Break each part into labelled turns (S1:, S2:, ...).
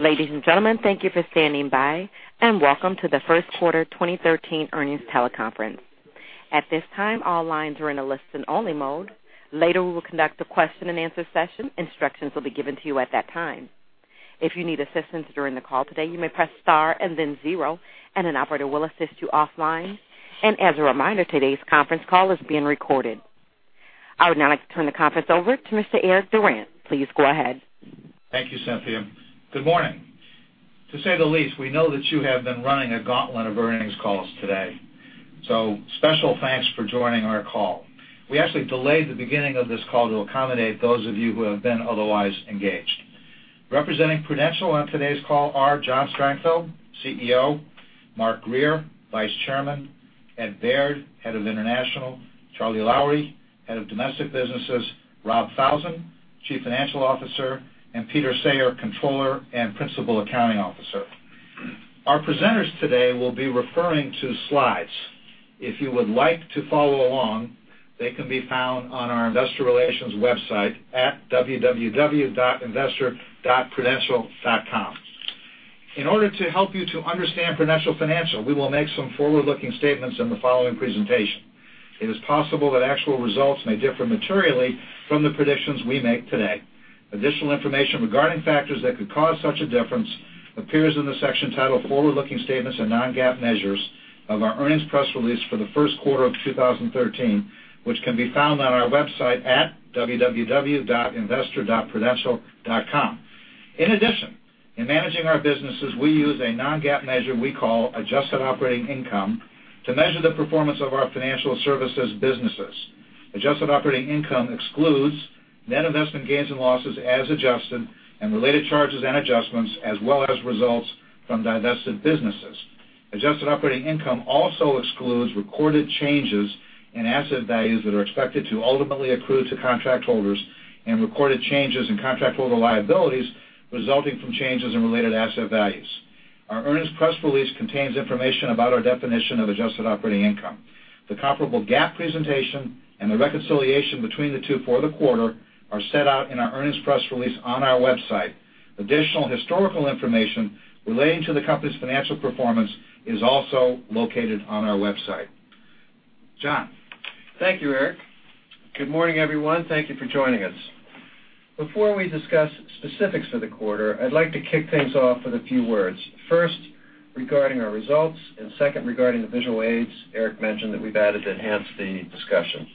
S1: Ladies and gentlemen, thank you for standing by, and welcome to the first quarter 2013 earnings teleconference. At this time, all lines are in a listen only mode. Later, we will conduct a question and answer session. Instructions will be given to you at that time. If you need assistance during the call today, you may press star and then zero, and an operator will assist you offline. As a reminder, today's conference call is being recorded. I would now like to turn the conference over to Mr. Eric Durant. Please go ahead.
S2: Thank you, Cynthia. Good morning. To say the least, we know that you have been running a gauntlet of earnings calls today, so special thanks for joining our call. We actually delayed the beginning of this call to accommodate those of you who have been otherwise engaged. Representing Prudential on today's call are John Strangfeld, CEO; Mark Grier, Vice Chairman; Ed Baird, Head of International; Charlie Lowrey, Head of Domestic Businesses; Rob Falzon, Chief Financial Officer; and Peter Sayre, Controller and Principal Accounting Officer. Our presenters today will be referring to slides. If you would like to follow along, they can be found on our investor relations website at www.investor.prudential.com. In order to help you to understand Prudential Financial, we will make some forward-looking statements in the following presentation. It is possible that actual results may differ materially from the predictions we make today. Additional information regarding factors that could cause such a difference appears in the section titled Forward-Looking Statements and Non-GAAP Measures of our earnings press release for the first quarter of 2013, which can be found on our website at www.investor.prudential.com. In managing our businesses, we use a non-GAAP measure we call adjusted operating income to measure the performance of our financial services businesses. Adjusted operating income excludes net investment gains and losses as adjusted, and related charges and adjustments as well as results from divested businesses. Adjusted operating income also excludes recorded changes in asset values that are expected to ultimately accrue to contract holders and recorded changes in contract holder liabilities resulting from changes in related asset values. Our earnings press release contains information about our definition of adjusted operating income. The comparable GAAP presentation and the reconciliation between the two for the quarter are set out in our earnings press release on our website. Additional historical information relating to the company's financial performance is also located on our website. John.
S3: Thank you, Eric. Good morning, everyone. Thank you for joining us. Before we discuss specifics for the quarter, I'd like to kick things off with a few words. First, regarding our results, and second, regarding the visual aids Eric mentioned that we've added to enhance the discussion.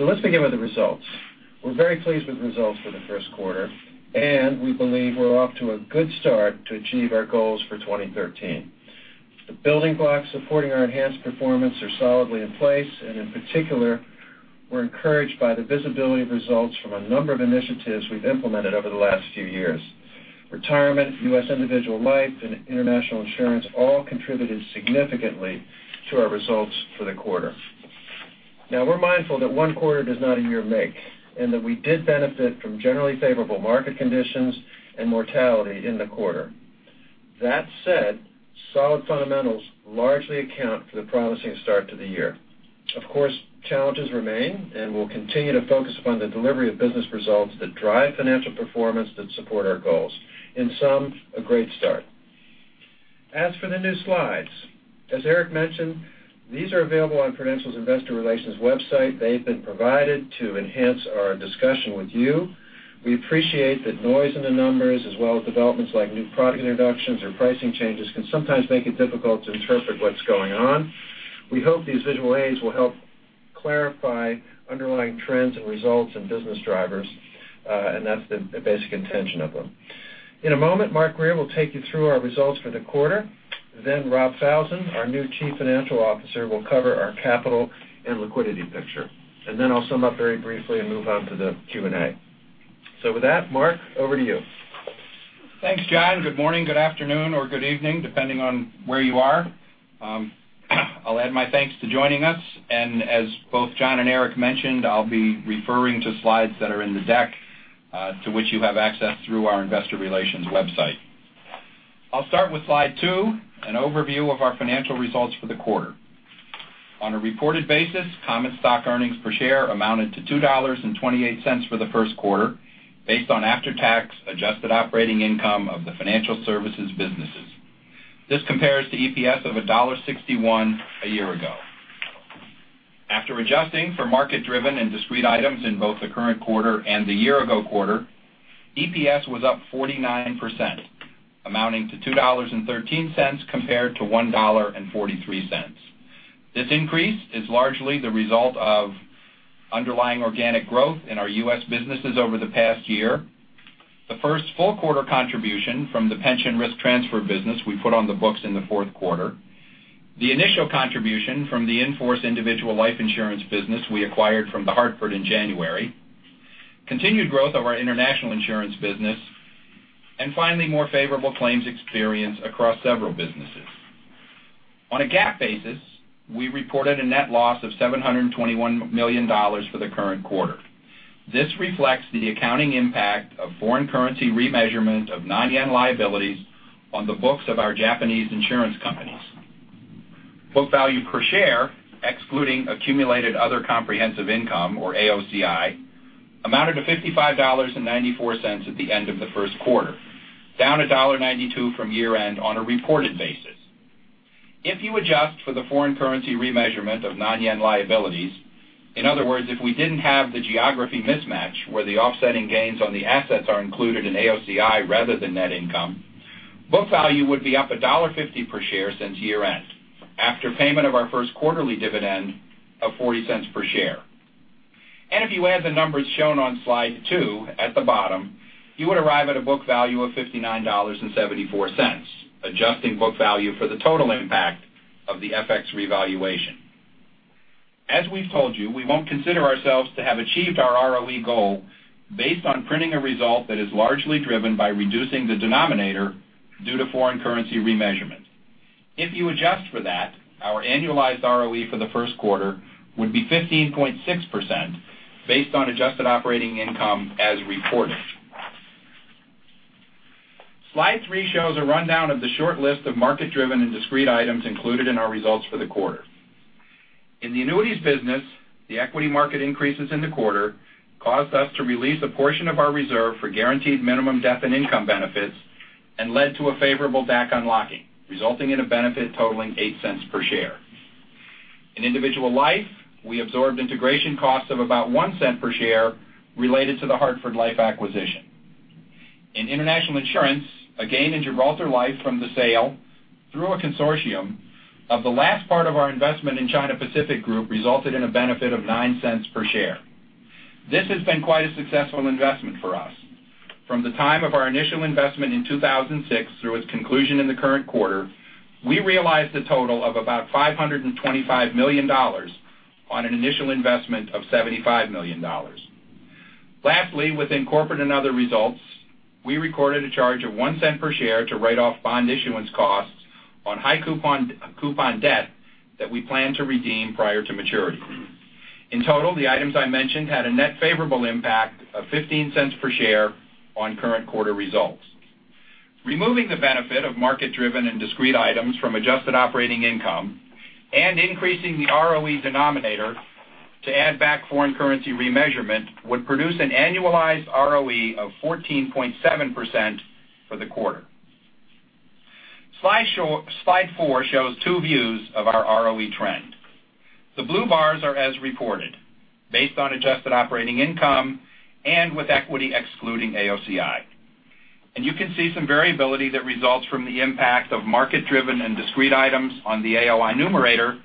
S3: Let's begin with the results. We're very pleased with the results for the first quarter, and we believe we're off to a good start to achieve our goals for 2013. The building blocks supporting our enhanced performance are solidly in place, and in particular, we're encouraged by the visibility of results from a number of initiatives we've implemented over the last few years. Retirement, U.S. Individual Life, and International Insurance all contributed significantly to our results for the quarter. We're mindful that one quarter does not a year make, and that we did benefit from generally favorable market conditions and mortality in the quarter. That said, solid fundamentals largely account for the promising start to the year. Of course, challenges remain, and we'll continue to focus upon the delivery of business results that drive financial performance that support our goals. In sum, a great start. As for the new slides, as Eric mentioned, these are available on Prudential's investor relations website. They've been provided to enhance our discussion with you. We appreciate that noise in the numbers as well as developments like new product introductions or pricing changes can sometimes make it difficult to interpret what's going on. We hope these visual aids will help clarify underlying trends and results and business drivers. That's the basic intention of them. In a moment, Mark Grier will take you through our results for the quarter. Then Rob Falzon, our new Chief Financial Officer, will cover our capital and liquidity picture. I'll sum up very briefly and move on to the Q&A. With that, Mark, over to you.
S4: Thanks, John. Good morning, good afternoon, or good evening, depending on where you are. I'll add my thanks to joining us. As both John and Eric mentioned, I'll be referring to slides that are in the deck, to which you have access through our investor relations website. I'll start with slide two, an overview of our financial results for the quarter. On a reported basis, common stock earnings per share amounted to $2.28 for the first quarter based on after-tax adjusted operating income of the financial services businesses. This compares to EPS of $1.61 a year ago. After adjusting for market-driven and discrete items in both the current quarter and the year-ago quarter, EPS was up 49%, amounting to $2.13 compared to $1.43. This increase is largely the result of underlying organic growth in our U.S. businesses over the past year. The first full quarter contribution from the pension risk transfer business we put on the books in the fourth quarter, the initial contribution from the in-force individual life insurance business we acquired from The Hartford in January, continued growth of our international insurance business, and finally, more favorable claims experience across several businesses. On a GAAP basis, we reported a net loss of $721 million for the current quarter. This reflects the accounting impact of foreign currency remeasurement of non-yen liabilities on the books of our Japanese insurance companies. Book value per share, excluding accumulated other comprehensive income, or AOCI, amounted to $55.94 at the end of the first quarter, down $1.92 from year-end on a reported basis. If you adjust for the foreign currency remeasurement of non-yen liabilities, in other words, if we didn't have the geography mismatch where the offsetting gains on the assets are included in AOCI rather than net income, book value would be up $1.50 per share since year-end, after payment of our first quarterly dividend of $0.40 per share. If you add the numbers shown on slide two at the bottom, you would arrive at a book value of $59.74, adjusting book value for the total impact of the FX revaluation. As we've told you, we won't consider ourselves to have achieved our ROE goal based on printing a result that is largely driven by reducing the denominator due to foreign currency remeasurement. If you adjust for that, our annualized ROE for the first quarter would be 15.6% based on adjusted operating income as reported. Slide three shows a rundown of the short list of market-driven and discrete items included in our results for the quarter. In the annuities business, the equity market increases in the quarter caused us to release a portion of our reserve for guaranteed minimum death and income benefits and led to a favorable DAC unlocking, resulting in a benefit totaling $0.08 per share. In individual life, we absorbed integration costs of about $0.01 per share related to the Hartford Life acquisition. In international insurance, a gain in Gibraltar Life from the sale, through a consortium, of the last part of our investment in China Pacific Group, resulted in a benefit of $0.09 per share. This has been quite a successful investment for us. From the time of our initial investment in 2006 through its conclusion in the current quarter, we realized a total of about $525 million on an initial investment of $75 million. Lastly, within corporate and other results, we recorded a charge of $0.01 per share to write off bond issuance costs on high coupon debt that we plan to redeem prior to maturity. In total, the items I mentioned had a net favorable impact of $0.15 per share on current quarter results. Removing the benefit of market-driven and discrete items from adjusted operating income and increasing the ROE denominator to add back foreign currency remeasurement would produce an annualized ROE of 14.7% for the quarter. Slide four shows two views of our ROE trend. The blue bars are as reported, based on adjusted operating income and with equity excluding AOCI. You can see some variability that results from the impact of market-driven and discrete items on the AOI numerator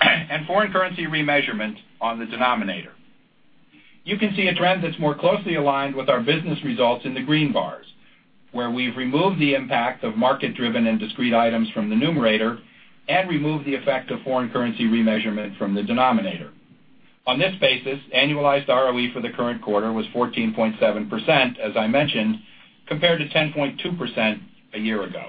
S4: and foreign currency remeasurement on the denominator. You can see a trend that's more closely aligned with our business results in the green bars, where we've removed the impact of market-driven and discrete items from the numerator and removed the effect of foreign currency remeasurement from the denominator. On this basis, annualized ROE for the current quarter was 14.7%, as I mentioned, compared to 10.2% a year ago.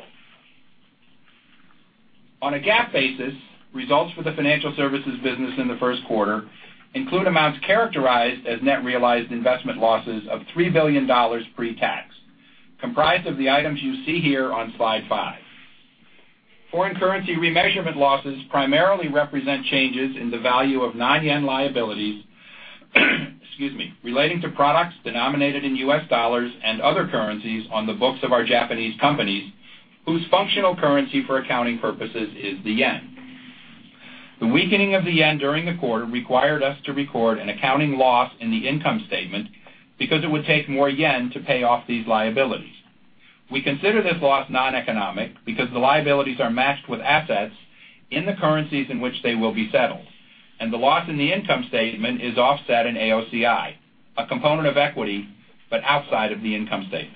S4: On a GAAP basis, results for the financial services business in the first quarter include amounts characterized as net realized investment losses of $3 billion pre-tax, comprised of the items you see here on slide five. Foreign currency remeasurement losses primarily represent changes in the value of non-yen liabilities relating to products denominated in U.S. dollars and other currencies on the books of our Japanese companies, whose functional currency for accounting purposes is the yen. The weakening of the yen during the quarter required us to record an accounting loss in the income statement because it would take more yen to pay off these liabilities. We consider this loss non-economic because the liabilities are matched with assets in the currencies in which they will be settled, and the loss in the income statement is offset in AOCI, a component of equity, but outside of the income statement.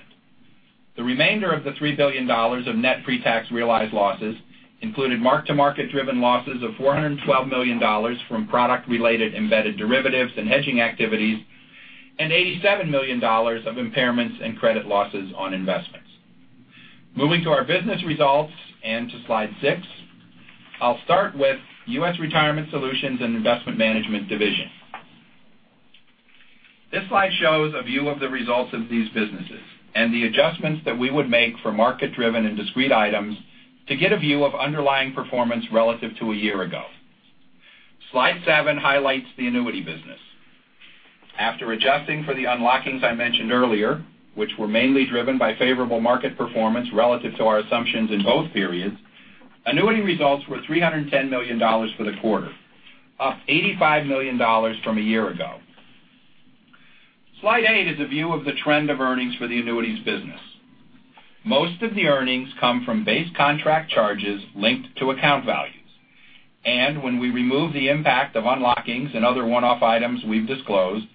S4: The remainder of the $3 billion of net pre-tax realized losses included mark-to-market driven losses of $412 million from product-related embedded derivatives and hedging activities, and $87 million of impairments and credit losses on investments. Moving to our business results and to slide six, I'll start with U.S. Retirement Solutions and Investment Management Division. This slide shows a view of the results of these businesses and the adjustments that we would make for market-driven and discrete items to get a view of underlying performance relative to a year ago. Slide seven highlights the annuity business. After adjusting for the unlockings I mentioned earlier, which were mainly driven by favorable market performance relative to our assumptions in both periods, annuity results were $310 million for the quarter, up $85 million from a year ago. Slide eight is a view of the trend of earnings for the annuities business. Most of the earnings come from base contract charges linked to account values. When we remove the impact of unlockings and other one-off items we've disclosed,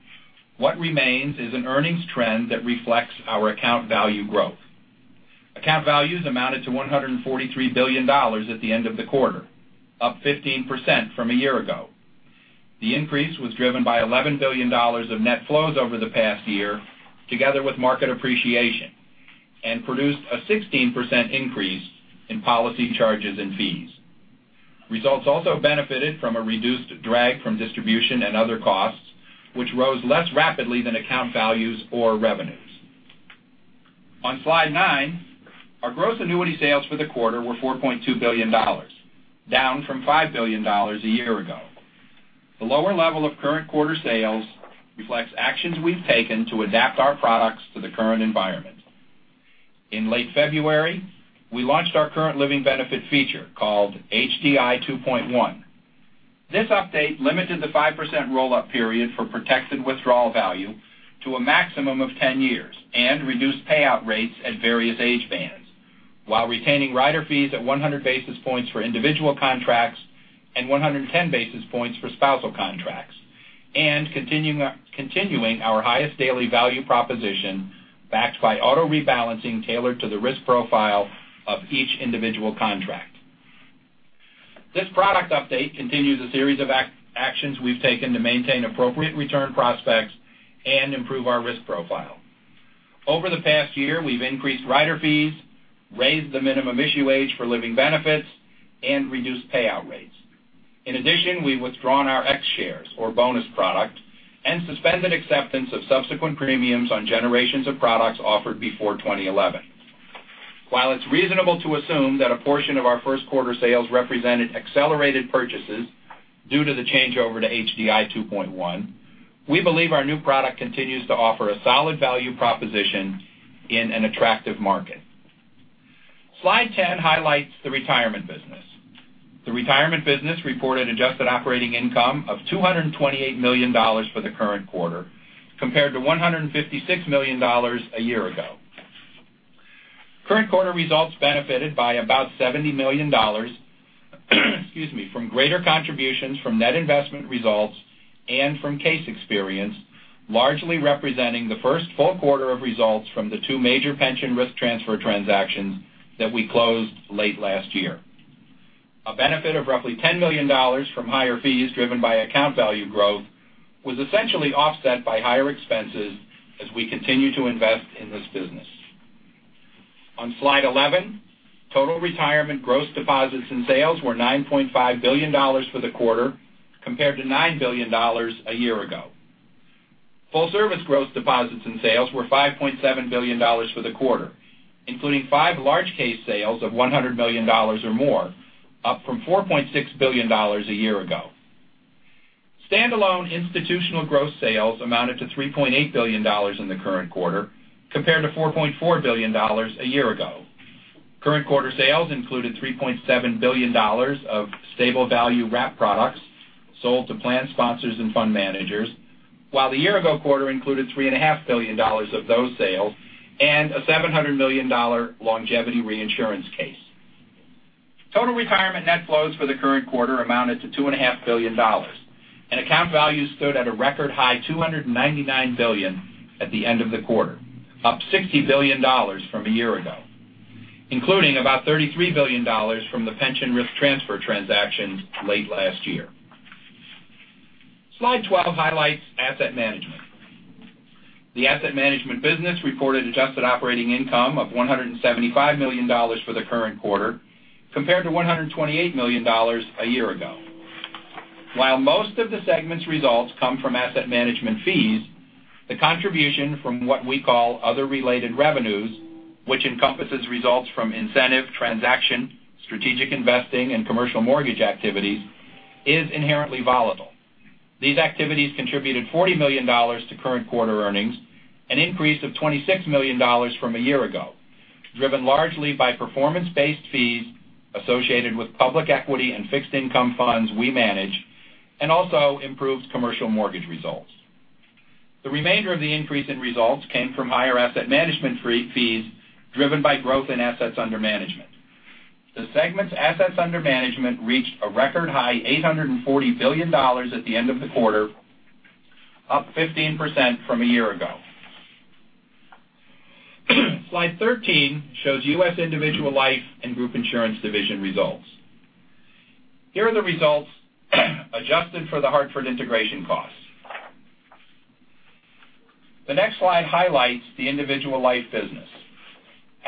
S4: what remains is an earnings trend that reflects our account value growth. Account values amounted to $143 billion at the end of the quarter, up 15% from a year ago. The increase was driven by $11 billion of net flows over the past year, together with market appreciation. It produced a 16% increase in policy charges and fees. Results also benefited from a reduced drag from distribution and other costs, which rose less rapidly than account values or revenues. On Slide nine, our gross annuity sales for the quarter were $4.2 billion, down from $5 billion a year ago. The lower level of current quarter sales reflects actions we've taken to adapt our products to the current environment. In late February, we launched our current living benefit feature called HDI 2.1. This update limited the 5% roll-up period for protected withdrawal value to a maximum of 10 years and reduced payout rates at various age bands while retaining rider fees at 100 basis points for individual contracts and 110 basis points for spousal contracts, and continuing our highest daily value proposition backed by auto-rebalancing tailored to the risk profile of each individual contract. This product update continues a series of actions we've taken to maintain appropriate return prospects and improve our risk profile. Over the past year, we've increased rider fees, raised the minimum issue age for living benefits, and reduced payout rates. In addition, we've withdrawn our X-shares or bonus product and suspended acceptance of subsequent premiums on generations of products offered before 2011. While it's reasonable to assume that a portion of our first quarter sales represented accelerated purchases due to the changeover to HDI 2.1, we believe our new product continues to offer a solid value proposition in an attractive market. Slide 10 highlights the retirement business. The retirement business reported adjusted operating income of $228 million for the current quarter, compared to $156 million a year ago. Current quarter results benefited by about $70 million from greater contributions from net investment results and from case experience, largely representing the first full quarter of results from the two major pension risk transfer transactions that we closed late last year. A benefit of roughly $10 million from higher fees driven by account value growth was essentially offset by higher expenses as we continue to invest in this business. On Slide 11, total retirement gross deposits and sales were $9.5 billion for the quarter, compared to $9 billion a year ago. Full service gross deposits and sales were $5.7 billion for the quarter, including five large case sales of $100 million or more, up from $4.6 billion a year ago. Standalone institutional gross sales amounted to $3.8 billion in the current quarter compared to $4.4 billion a year ago. Current quarter sales included $3.7 billion of stable value wrap products sold to plan sponsors and fund managers, while the year-ago quarter included $3.5 billion of those sales and a $700 million longevity reinsurance case. Total retirement net flows for the current quarter amounted to $2.5 billion, and account values stood at a record high $299 billion at the end of the quarter, up $60 billion from a year ago, including about $33 billion from the pension risk transfer transactions late last year. Slide 12 highlights asset management. The asset management business reported adjusted operating income of $175 million for the current quarter, compared to $128 million a year ago. While most of the segment's results come from asset management fees, the contribution from what we call other related revenues, which encompasses results from incentive, transaction, strategic investing, and commercial mortgage activities, is inherently volatile. These activities contributed $40 million to current quarter earnings, an increase of $26 million from a year ago, driven largely by performance-based fees associated with public equity and fixed income funds we manage, and also improved commercial mortgage results. The remainder of the increase in results came from higher asset management fees driven by growth in assets under management. The segment's assets under management reached a record high $840 billion at the end of the quarter, up 15% from a year ago. Slide 13 shows U.S. Individual Life and Group Insurance Division results. Here are the results adjusted for The Hartford integration costs. The next slide highlights the Individual Life business.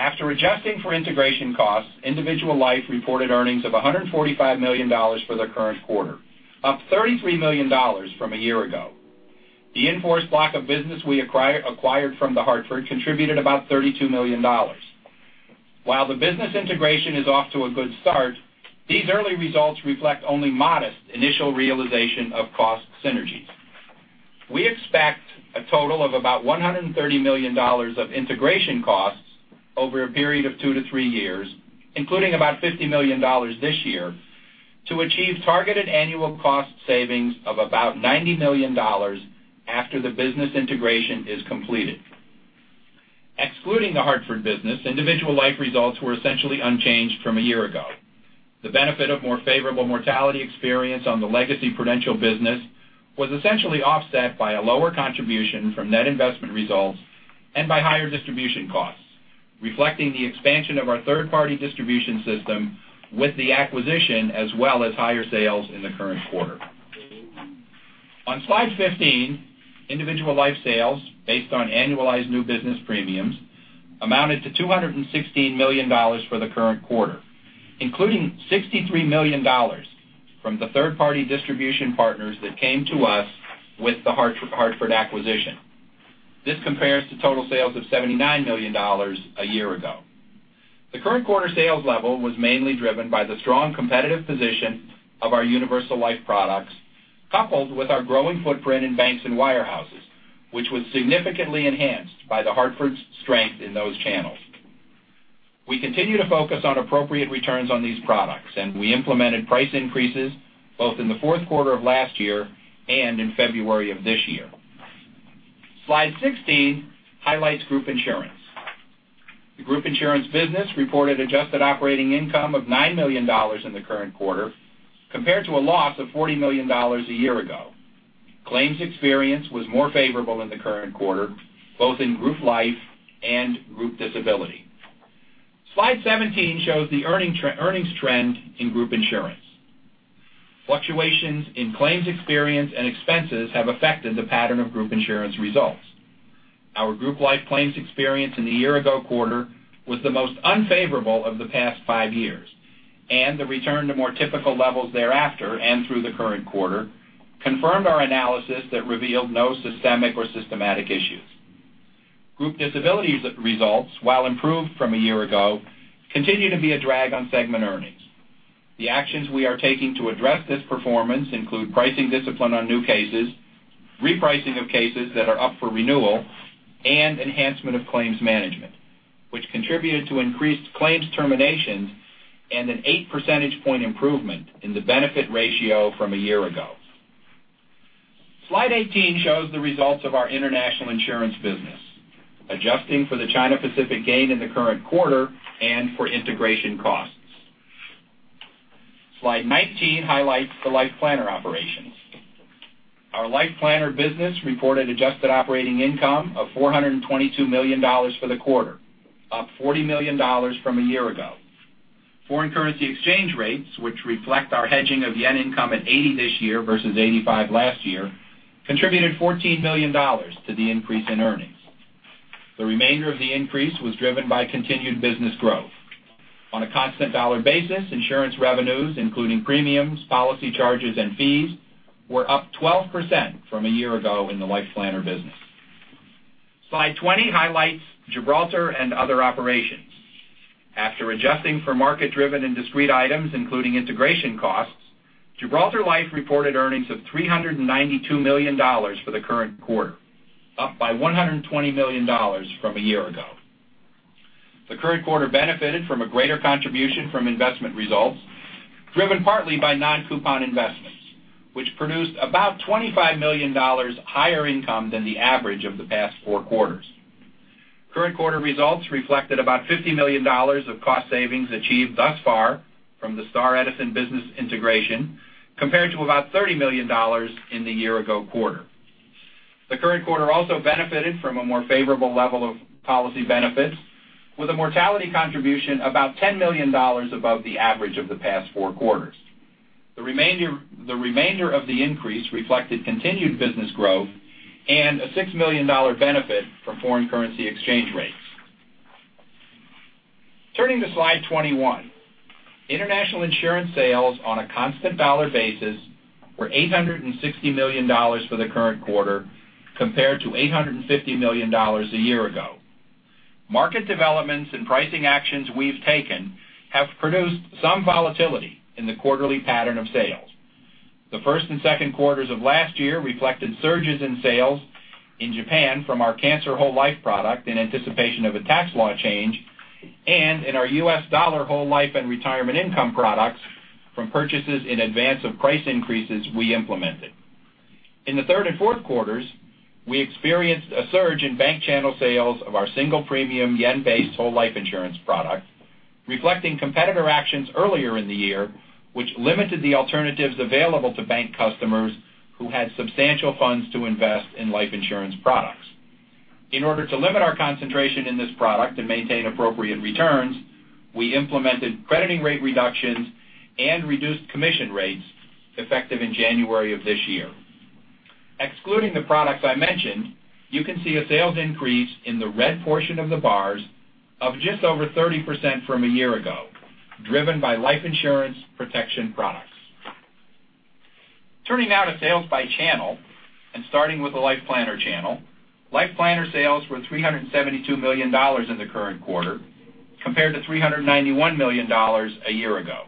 S4: After adjusting for integration costs, Individual Life reported earnings of $145 million for the current quarter, up $33 million from a year ago. The in-force block of business we acquired from The Hartford contributed about $32 million. While the business integration is off to a good start, these early results reflect only modest initial realization of cost synergies. We expect a total of about $130 million of integration costs over a period of two to three years, including about $50 million this year, to achieve targeted annual cost savings of about $90 million after the business integration is completed. Excluding The Hartford business, Individual Life results were essentially unchanged from a year ago. The benefit of more favorable mortality experience on the legacy Prudential business was essentially offset by a lower contribution from net investment results and by higher distribution costs, reflecting the expansion of our third-party distribution system with the acquisition as well as higher sales in the current quarter. On Slide 15, Individual Life sales, based on annualized new business premiums, amounted to $216 million for the current quarter, including $63 million from the third-party distribution partners that came to us with The Hartford acquisition. This compares to total sales of $79 million a year ago. The current quarter sales level was mainly driven by the strong competitive position of our universal life products, coupled with our growing footprint in banks and wirehouses, which was significantly enhanced by The Hartford's strength in those channels. We continue to focus on appropriate returns on these products, and we implemented price increases both in the fourth quarter of last year and in February of this year. Slide 16 highlights group insurance. The group insurance business reported adjusted operating income of $9 million in the current quarter, compared to a loss of $40 million a year ago. Claims experience was more favorable in the current quarter, both in group life and group disability. Slide 17 shows the earnings trend in group insurance. Fluctuations in claims experience and expenses have affected the pattern of group insurance results. Our group life claims experience in the year-ago quarter was the most unfavorable of the past five years, and the return to more typical levels thereafter and through the current quarter confirmed our analysis that revealed no systemic or systematic issues. Group disability results, while improved from a year ago, continue to be a drag on segment earnings. The actions we are taking to address this performance include pricing discipline on new cases, repricing of cases that are up for renewal, and enhancement of claims management, which contributed to increased claims terminations and an eight percentage point improvement in the benefit ratio from a year ago. Slide 18 shows the results of our international insurance business, adjusting for the China Pacific gain in the current quarter and for integration costs. Slide 19 highlights the Life Planner operations. Our Life Planner business reported adjusted operating income of $422 million for the quarter, up $40 million from a year ago. Foreign currency exchange rates, which reflect our hedging of yen income at 80 this year versus 85 last year, contributed $14 million to the increase in earnings. The remainder of the increase was driven by continued business growth. On a constant dollar basis, insurance revenues, including premiums, policy charges, and fees, were up 12% from a year ago in the Life Planner business. Slide 20 highlights Gibraltar and other operations. After adjusting for market-driven and discrete items, including integration costs, Gibraltar Life reported earnings of $392 million for the current quarter, up by $120 million from a year ago. The current quarter benefited from a greater contribution from investment results, driven partly by non-coupon investments, which produced about $25 million higher income than the average of the past four quarters. Current quarter results reflected about $50 million of cost savings achieved thus far from the Star Edison business integration, compared to about $30 million in the year-ago quarter. The current quarter also benefited from a more favorable level of policy benefits, with a mortality contribution about $10 million above the average of the past four quarters. The remainder of the increase reflected continued business growth and a $6 million benefit from foreign currency exchange rates. Turning to Slide 21. International insurance sales on a constant dollar basis were $860 million for the current quarter, compared to $850 million a year ago. Market developments and pricing actions we've taken have produced some volatility in the quarterly pattern of sales. The first and second quarters of last year reflected surges in sales in Japan from our cancer whole life product in anticipation of a tax law change and in our US dollar whole life and retirement income products from purchases in advance of price increases we implemented. In the third and fourth quarters, we experienced a surge in bank channel sales of our single premium yen-based whole life insurance product, reflecting competitor actions earlier in the year, which limited the alternatives available to bank customers who had substantial funds to invest in life insurance products. In order to limit our concentration in this product and maintain appropriate returns, we implemented crediting rate reductions and reduced commission rates effective in January of this year. Excluding the products I mentioned, you can see a sales increase in the red portion of the bars of just over 30% from a year ago, driven by life insurance protection products. Turning now to sales by channel and starting with the Life Planner channel. Life Planner sales were $372 million in the current quarter, compared to $391 million a year ago.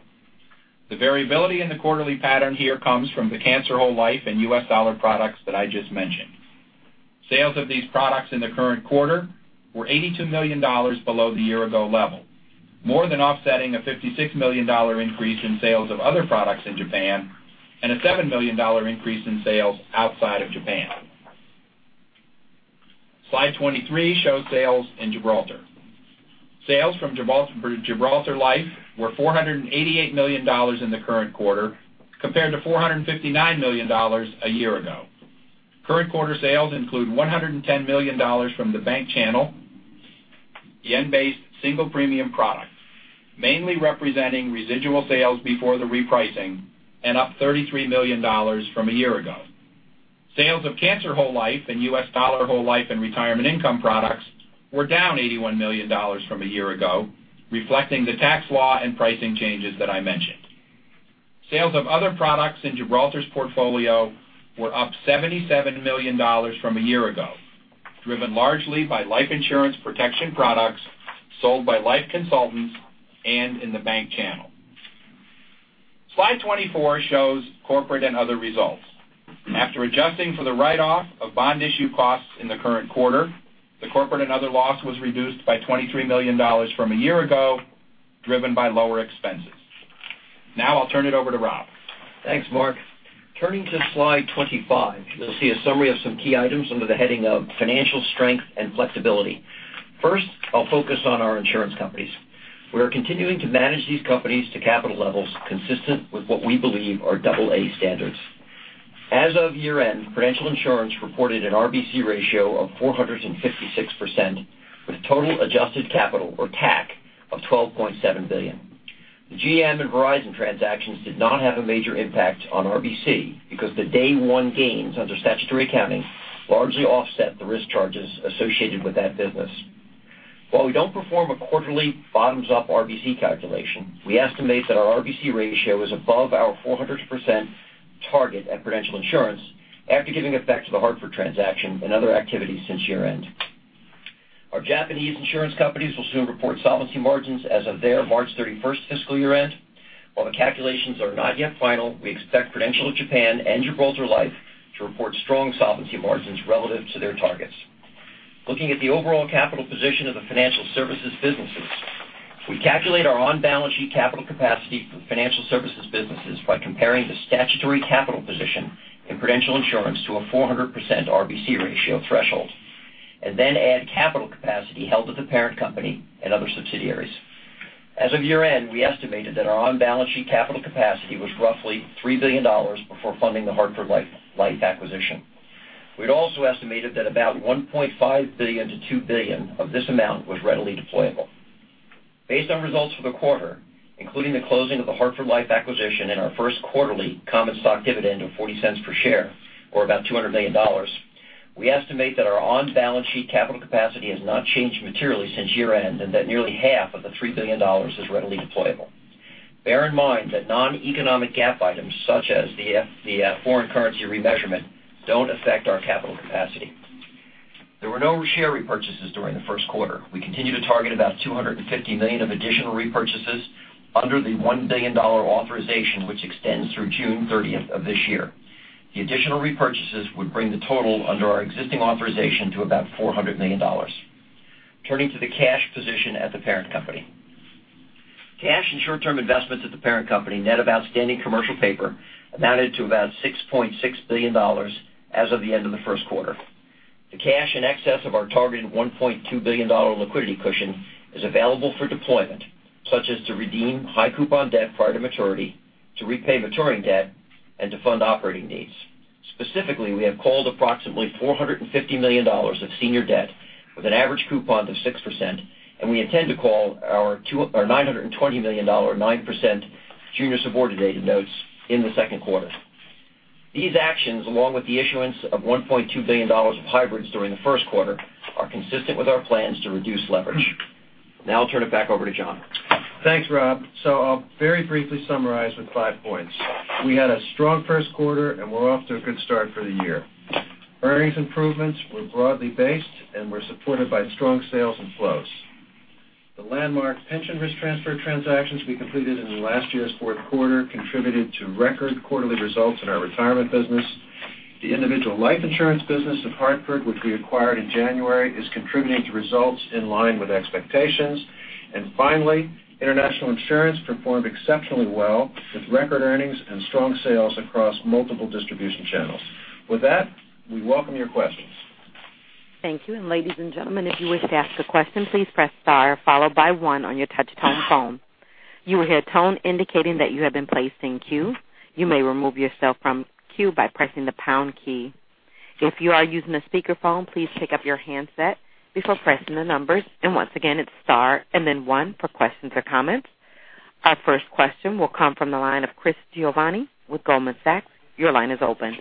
S4: The variability in the quarterly pattern here comes from the cancer whole life and US dollar products that I just mentioned. Sales of these products in the current quarter were $82 million below the year-ago level, more than offsetting a $56 million increase in sales of other products in Japan and a $7 million increase in sales outside of Japan. Slide 23 shows sales in Gibraltar. Sales from Gibraltar Life were $488 million in the current quarter, compared to $459 million a year ago. Current quarter sales include $110 million from the bank channel, yen-based single premium product, mainly representing residual sales before the repricing and up $33 million from a year ago. Sales of cancer whole life and US dollar whole life and retirement income products were down $81 million from a year ago, reflecting the tax law and pricing changes that I mentioned. Sales of other products in Gibraltar's portfolio were up $77 million from a year ago, driven largely by life insurance protection products sold by life consultants and in the bank channel. Slide 24 shows corporate and other results. After adjusting for the write-off of bond issue costs in the current quarter, the corporate and other loss was reduced by $23 million from a year ago, driven by lower expenses. I'll turn it over to Rob.
S5: Thanks, Mark. Turning to slide 25, you'll see a summary of some key items under the heading of financial strength and flexibility. First, I'll focus on our insurance companies. We are continuing to manage these companies to capital levels consistent with what we believe are double A standards. As of year-end, Prudential Insurance reported an RBC ratio of 456% with total adjusted capital, or TAC, of $12.7 billion. The GM and Verizon transactions did not have a major impact on RBC because the day one gains under statutory accounting largely offset the risk charges associated with that business. While we don't perform a quarterly bottoms-up RBC calculation, we estimate that our RBC ratio is above our 400% target at Prudential Insurance after giving effect to the Hartford transaction and other activities since year-end. Our Japanese insurance companies will soon report solvency margins as of their March 31st fiscal year-end. While the calculations are not yet final, we expect Prudential of Japan and Gibraltar Life to report strong solvency margins relative to their targets. Looking at the overall capital position of the financial services businesses, we calculate our on-balance sheet capital capacity for financial services businesses by comparing the statutory capital position in Prudential Insurance to a 400% RBC ratio threshold, and then add capital capacity held at the parent company and other subsidiaries. As of year-end, we estimated that our on-balance sheet capital capacity was roughly $3 billion before funding the Hartford Life acquisition. We'd also estimated that about $1.5 billion-$2 billion of this amount was readily deployable. Based on results for the quarter, including the closing of the Hartford Life acquisition and our first quarterly common stock dividend of $0.40 per share, or about $200 million, we estimate that our on-balance sheet capital capacity has not changed materially since year-end, and that nearly half of the $3 billion is readily deployable. Bear in mind that noneconomic GAAP items, such as the foreign currency remeasurement, don't affect our capital capacity. There were no share repurchases during the first quarter. We continue to target about $250 million of additional repurchases under the $1 billion authorization, which extends through June 30th of this year. The additional repurchases would bring the total under our existing authorization to about $400 million. Turning to the cash position at the parent company. Cash and short-term investments at the parent company net of outstanding commercial paper amounted to about $6.6 billion as of the end of the first quarter. The cash in excess of our targeted $1.2 billion liquidity cushion is available for deployment, such as to redeem high coupon debt prior to maturity, to repay maturing debt, and to fund operating needs. Specifically, we have called approximately $450 million of senior debt with an average coupon of 6%, and we intend to call our $920 million 9% junior subordinated notes in the second quarter. These actions, along with the issuance of $1.2 billion of hybrids during the first quarter, are consistent with our plans to reduce leverage. I'll turn it back over to John.
S3: Thanks, Rob. I'll very briefly summarize with five points. We had a strong first quarter and we're off to a good start for the year. Earnings improvements were broadly based and were supported by strong sales and flows. The landmark pension risk transfer transactions we completed in last year's fourth quarter contributed to record quarterly results in our retirement business. The individual life insurance business of Hartford, which we acquired in January, is contributing to results in line with expectations. Finally, international insurance performed exceptionally well with record earnings and strong sales across multiple distribution channels. With that, we welcome your questions.
S1: Thank you. Ladies and gentlemen, if you wish to ask a question, please press star followed by one on your touch tone phone. You will hear a tone indicating that you have been placed in queue. You may remove yourself from queue by pressing the pound key. If you are using a speakerphone, please pick up your handset before pressing the numbers. Once again, it's star and then one for questions or comments. Our first question will come from the line of Christopher Giovanni with Goldman Sachs. Your line is open.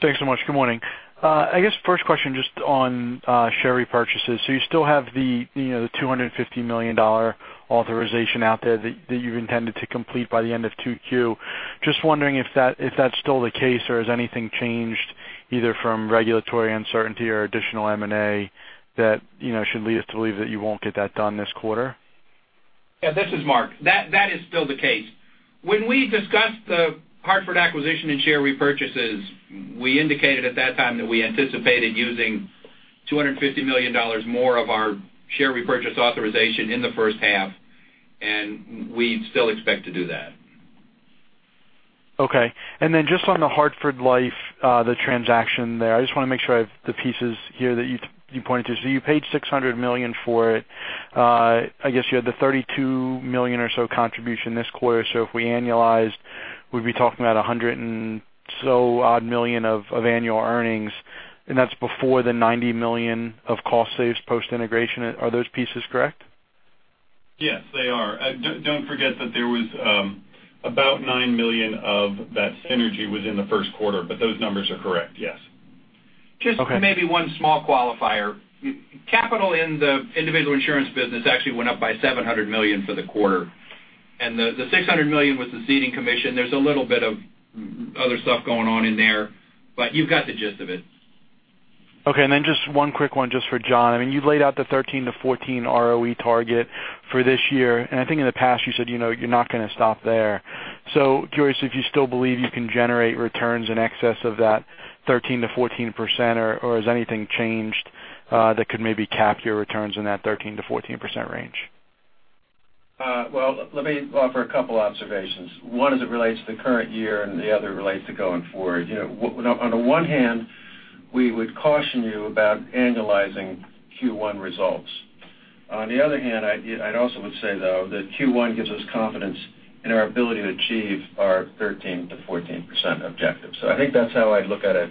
S6: Thanks so much. Good morning. I guess first question just on share repurchases. You still have the $250 million authorization out there that you intended to complete by the end of 2Q. Just wondering if that's still the case or has anything changed either from regulatory uncertainty or additional M&A that should lead us to believe that you won't get that done this quarter?
S4: Yeah, this is Mark. That is still the case. When we discussed the Hartford acquisition and share repurchases, we indicated at that time that we anticipated using $250 million more of our share repurchase authorization in the first half, and we still expect to do that.
S6: Okay. Then just on the Hartford Life, the transaction there, I just want to make sure I have the pieces here that you pointed to. You paid $600 million for it. I guess you had the $32 million or so contribution this quarter. If we annualized, we'd be talking about $100 and so odd million of annual earnings, and that's before the $90 million of cost saves post-integration. Are those pieces correct?
S3: Yes, they are. Don't forget that there was about $9 million of that synergy was in the first quarter, but those numbers are correct, yes.
S6: Okay.
S4: Just maybe one small qualifier. Capital in the individual insurance business actually went up by $700 million for the quarter. The $600 million was the ceding commission. There's a little bit of other stuff going on in there, but you've got the gist of it.
S6: Okay, just one quick one, just for John. You've laid out the 13%-14% ROE target for this year. I think in the past you said you're not going to stop there. Curious if you still believe you can generate returns in excess of that 13%-14%, or has anything changed that could maybe cap your returns in that 13%-14% range?
S3: Well, let me offer a couple observations. One as it relates to the current year, and the other relates to going forward. On the one hand, we would caution you about annualizing Q1 results. On the other hand, I'd also would say, though, that Q1 gives us confidence in our ability to achieve our 13%-14% objective. I think that's how I'd look at it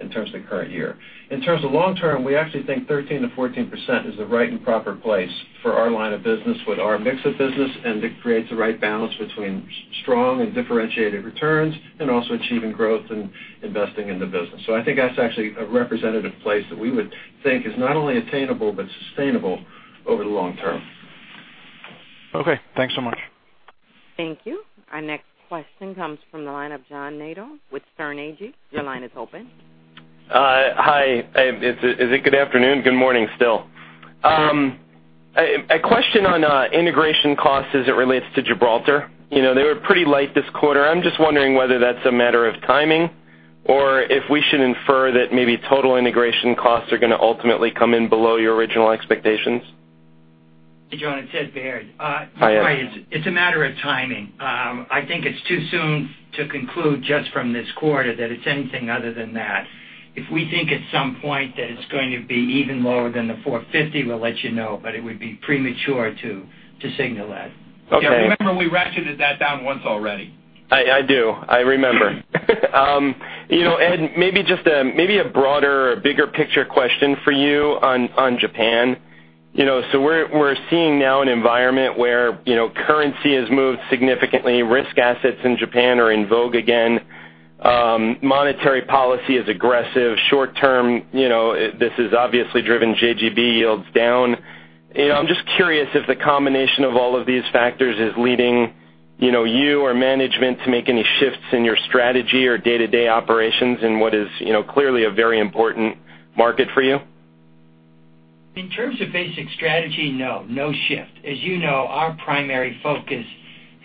S3: in terms of the current year. In terms of long term, we actually think 13%-14% is the right and proper place for our line of business with our mix of business. It creates the right balance between strong and differentiated returns and also achieving growth and investing in the business. I think that's actually a representative place that we would think is not only attainable but sustainable over the long term.
S6: Okay. Thanks so much.
S1: Thank you. Our next question comes from the line of John Nadel with Sterne Agee. Your line is open.
S7: Hi. Is it good afternoon? Good morning, still. A question on integration costs as it relates to Gibraltar. They were pretty light this quarter. I'm just wondering whether that's a matter of timing or if we should infer that maybe total integration costs are going to ultimately come in below your original expectations.
S8: John, it's Ed Baird.
S7: Hi, Ed.
S8: It's a matter of timing. I think it's too soon to conclude just from this quarter that it's anything other than that. If we think at some point that it's going to be even lower than the 450, we'll let you know, but it would be premature to signal that.
S7: Okay.
S4: Yeah. Remember we ratcheted that down once already.
S7: I do. I remember. Ed, maybe a broader, bigger picture question for you on Japan. We're seeing now an environment where currency has moved significantly. Risk assets in Japan are in vogue again. Monetary policy is aggressive. Short term, this has obviously driven JGB yields down. I'm just curious if the combination of all of these factors is leading you or management to make any shifts in your strategy or day-to-day operations in what is clearly a very important market for you.
S8: In terms of basic strategy, no. No shift. As you know, our primary focus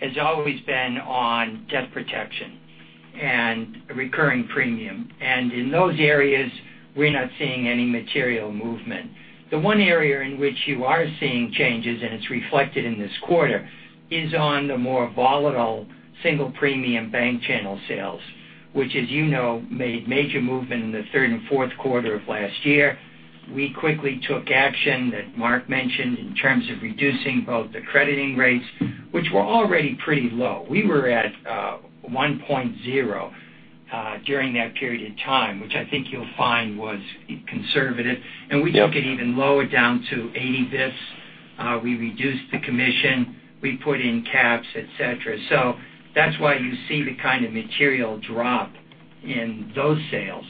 S8: has always been on debt protection and recurring premium. In those areas, we're not seeing any material movement. The one area in which you are seeing changes, and it's reflected in this quarter, is on the more volatile single premium bank channel sales, which as you know, made major movement in the third and fourth quarter of last year. We quickly took action that Mark mentioned in terms of reducing both the crediting rates, which were already pretty low. We were at 1.0 during that period of time, which I think you'll find was conservative. We took it even lower down to 80 basis points. We reduced the commission. We put in caps, et cetera. That's why you see the kind of material drop in those sales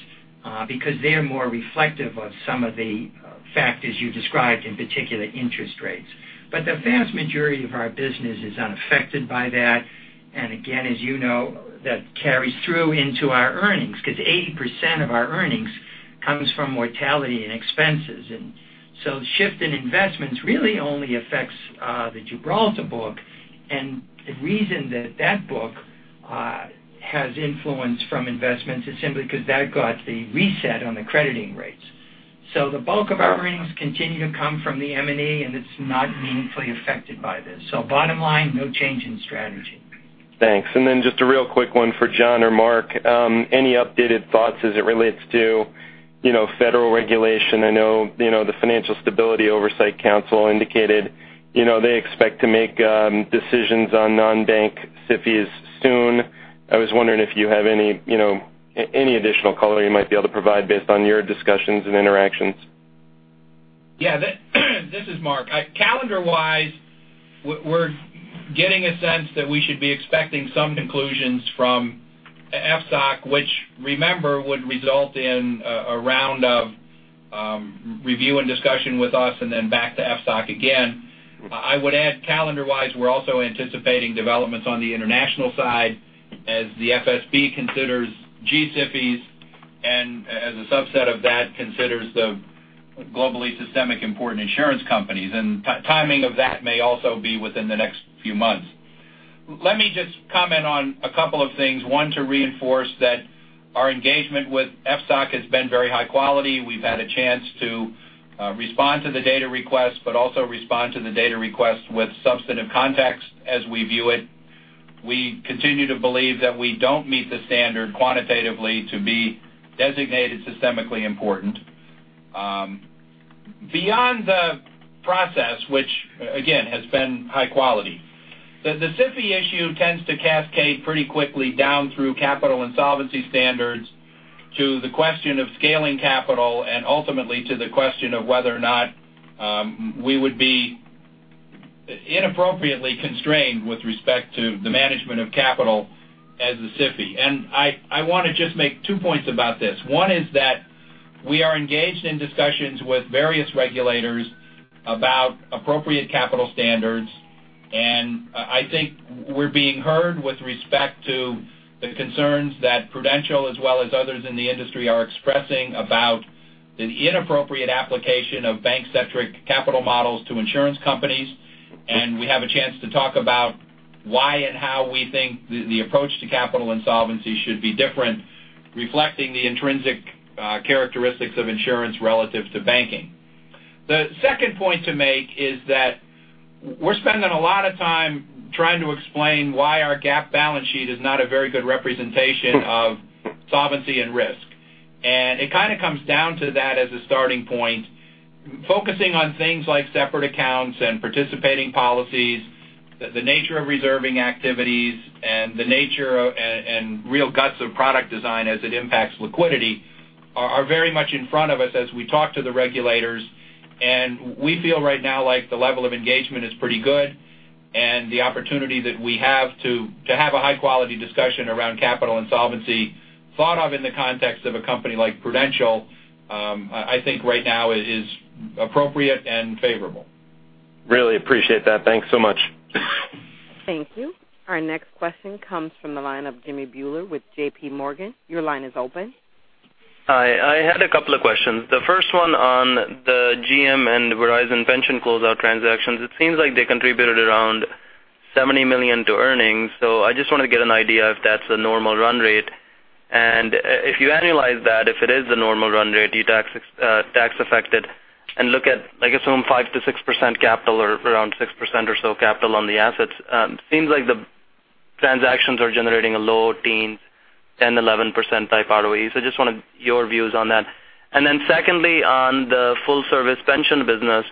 S8: because they're more reflective of some of the factors you described, in particular, interest rates. The vast majority of our business is unaffected by that. Again, as you know, that carries through into our earnings because 80% of our earnings comes from mortality and expenses. The shift in investments really only affects the Gibraltar book. The reason that book has influence from investments is simply because that got the reset on the crediting rates. The bulk of our earnings continue to come from the M&A, and it's not meaningfully affected by this. Bottom line, no change in strategy.
S7: Thanks. Just a real quick one for John or Mark. Any updated thoughts as it relates to federal regulation? I know the Financial Stability Oversight Council indicated they expect to make decisions on non-bank SIFIs soon. I was wondering if you have any additional color you might be able to provide based on your discussions and interactions.
S4: Yeah, this is Mark. Calendar wise, we're getting a sense that we should be expecting some conclusions from FSOC, which remember, would result in a round of review and discussion with us and then back to FSOC again. I would add calendar wise, we're also anticipating developments on the international side as the FSB considers G-SIFIs and as a subset of that, considers the globally systemic important insurance companies. Timing of that may also be within the next few months. Let me just comment on a couple of things. One, to reinforce that our engagement with FSOC has been very high quality. We've had a chance to respond to the data request, but also respond to the data request with substantive context as we view it. We continue to believe that we don't meet the standard quantitatively to be designated systemically important. Beyond the process, which again, has been high quality. The SIFI issue tends to cascade pretty quickly down through capital and solvency standards to the question of scaling capital and ultimately to the question of whether or not we would be inappropriately constrained with respect to the management of capital as a SIFI. I want to just make two points about this. One is that we are engaged in discussions with various regulators about appropriate capital standards, and I think we're being heard with respect to the concerns that Prudential, as well as others in the industry, are expressing about the inappropriate application of bank-centric capital models to insurance companies. We have a chance to talk about why and how we think the approach to capital and solvency should be different, reflecting the intrinsic characteristics of insurance relative to banking. The second point to make is that we're spending a lot of time trying to explain why our GAAP balance sheet is not a very good representation of solvency and risk. It kind of comes down to that as a starting point, focusing on things like separate accounts and participating policies, the nature of reserving activities, and the nature and real guts of product design as it impacts liquidity are very much in front of us as we talk to the regulators. We feel right now like the level of engagement is pretty good, and the opportunity that we have to have a high-quality discussion around capital and solvency thought of in the context of a company like Prudential, I think right now is appropriate and favorable.
S7: Really appreciate that. Thanks so much.
S1: Thank you. Our next question comes from the line of Jimmy Bhullar with J.P. Morgan. Your line is open.
S9: Hi. I had a couple of questions. The first one on the GM and Verizon pension closeout transactions. It seems like they contributed around $70 million to earnings. I just want to get an idea if that's the normal run rate. If you annualize that, if it is the normal run rate, you tax affect it and look at, I guess, some 5%-6% capital or around 6% or so capital on the assets. Seems like the transactions are generating a low teens, 10%, 11% type ROE. Just wanted your views on that. Secondly, on the full service pension business,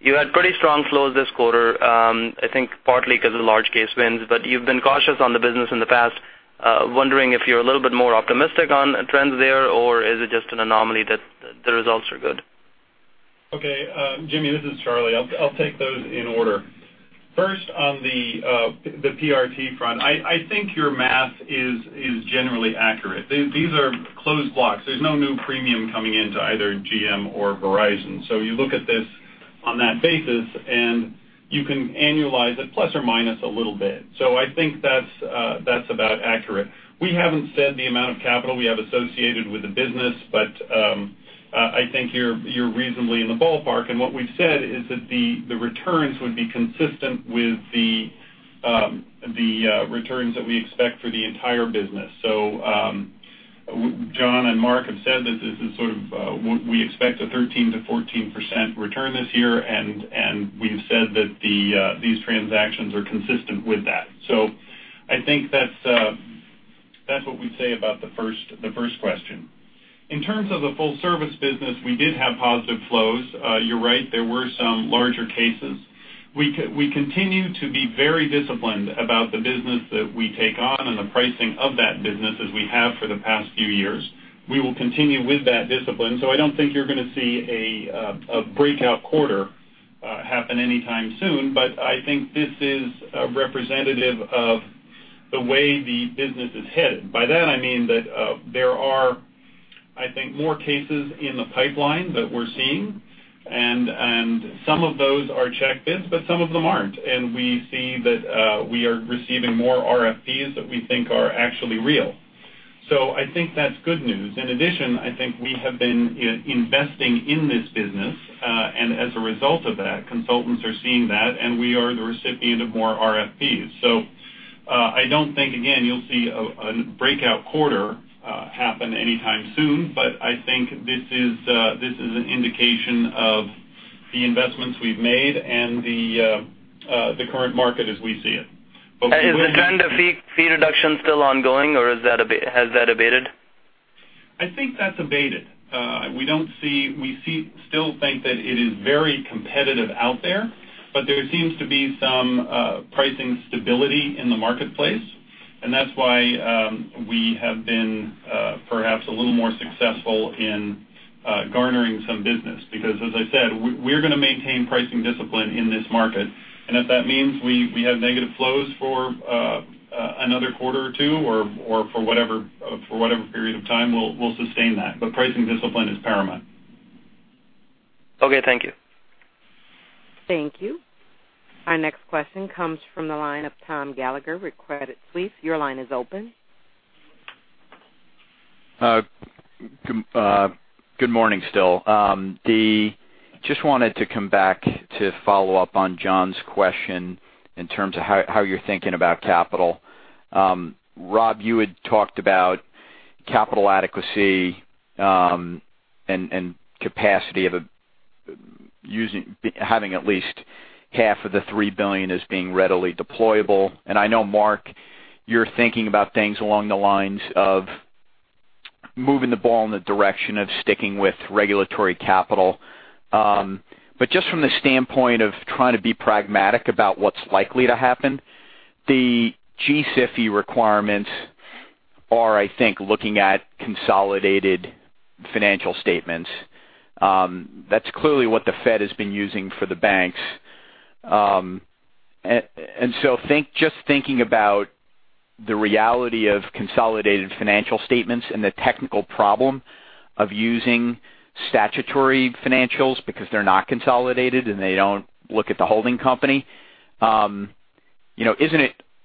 S9: you had pretty strong flows this quarter, I think partly because of large case wins, but you've been cautious on the business in the past. Wondering if you're a little bit more optimistic on trends there, or is it just an anomaly that the results are good?
S10: Okay, Jimmy, this is Charlie. I'll take those in order. First on the PRT front, I think your math is generally accurate. These are closed blocks. There's no new premium coming into either GM or Verizon. You look at this on that basis, and you can annualize it plus or minus a little bit. I think that's about accurate. We haven't said the amount of capital we have associated with the business, but I think you're reasonably in the ballpark. What we've said is that the returns would be consistent with the returns that we expect for the entire business. John and Mark have said that this is sort of we expect a 13%-14% return this year, and we've said that these transactions are consistent with that. I think that's what we'd say about the first question. In terms of the full service business, we did have positive flows. You're right, there were some larger cases. We continue to be very disciplined about the business that we take on and the pricing of that business as we have for the past few years. We will continue with that discipline, so I don't think you're going to see a breakout quarter happen anytime soon, but I think this is representative of the way the business is headed. By that, I mean that there are, I think, more cases in the pipeline that we're seeing, and some of those are checked bids, but some of them aren't. We see that we are receiving more RFPs that we think are actually real. I think that's good news. In addition, I think we have been investing in this business, and as a result of that, consultants are seeing that, and we are the recipient of more RFPs. I don't think, again, you'll see a breakout quarter happen anytime soon, but I think this is an indication of the investments we've made and the current market as we see it. We will need to-
S9: Is the trend of fee reduction still ongoing, or has that abated?
S10: I think that's abated. We still think that it is very competitive out there seems to be some pricing stability in the marketplace, that's why we have been perhaps a little more successful in garnering some business because, as I said, we're going to maintain pricing discipline in this market. If that means we have negative flows for another quarter or two or for whatever period of time, we'll sustain that. Pricing discipline is paramount.
S9: Okay. Thank you.
S1: Thank you. Our next question comes from the line of Thomas Gallagher with Credit Suisse. Your line is open.
S11: Good morning still. Just wanted to come back to follow up on John's question in terms of how you're thinking about capital. Rob, you had talked about capital adequacy and capacity of having at least half of the $3 billion as being readily deployable. I know, Mark, you're thinking about things along the lines of Moving the ball in the direction of sticking with regulatory capital. Just from the standpoint of trying to be pragmatic about what's likely to happen, the G-SIFIs requirements are, I think, looking at consolidated financial statements. That's clearly what the Fed has been using for the banks. Just thinking about the reality of consolidated financial statements and the technical problem of using statutory financials because they're not consolidated and they don't look at the holding company.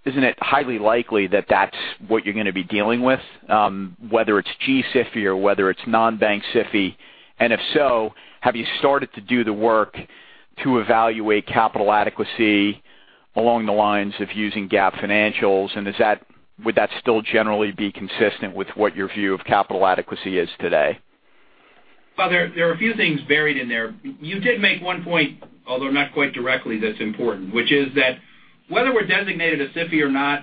S11: Isn't it highly likely that that's what you're going to be dealing with? Whether it's G-SIFIs or whether it's non-bank SIFI. If so, have you started to do the work to evaluate capital adequacy along the lines of using GAAP financials? Would that still generally be consistent with what your view of capital adequacy is today?
S4: Well, there are a few things buried in there. You did make one point, although not quite directly, that's important, which is that whether we're designated a SIFI or not,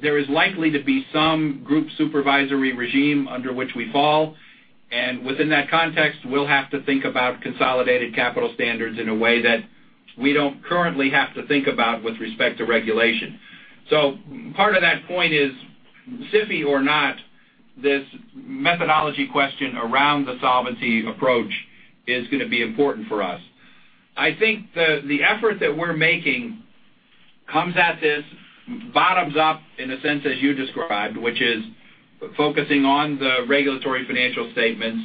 S4: there is likely to be some group supervisory regime under which we fall. Within that context, we'll have to think about consolidated capital standards in a way that we don't currently have to think about with respect to regulation. Part of that point is, SIFI or not, this methodology question around the solvency approach is going to be important for us. I think the effort that we're making comes at this bottoms up in the sense as you described, which is focusing on the regulatory financial statements.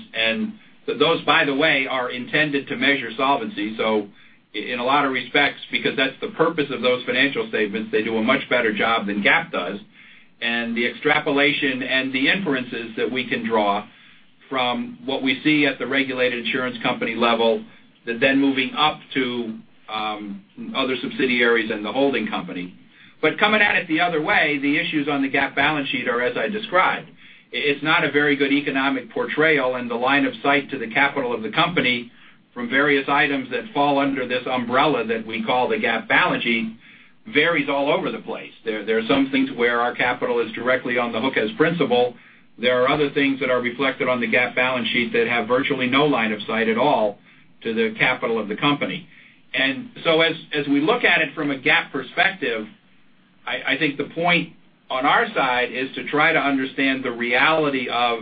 S4: Those, by the way, are intended to measure solvency. In a lot of respects, because that's the purpose of those financial statements, they do a much better job than GAAP does. The extrapolation and the inferences that we can draw from what we see at the regulated insurance company level, then moving up to other subsidiaries and the holding company. Coming at it the other way, the issues on the GAAP balance sheet are as I described. It's not a very good economic portrayal and the line of sight to the capital of the company from various items that fall under this umbrella that we call the GAAP balance sheet varies all over the place. There are some things where our capital is directly on the hook as principal. There are other things that are reflected on the GAAP balance sheet that have virtually no line of sight at all to the capital of the company. As we look at it from a GAAP perspective, I think the point on our side is to try to understand the reality of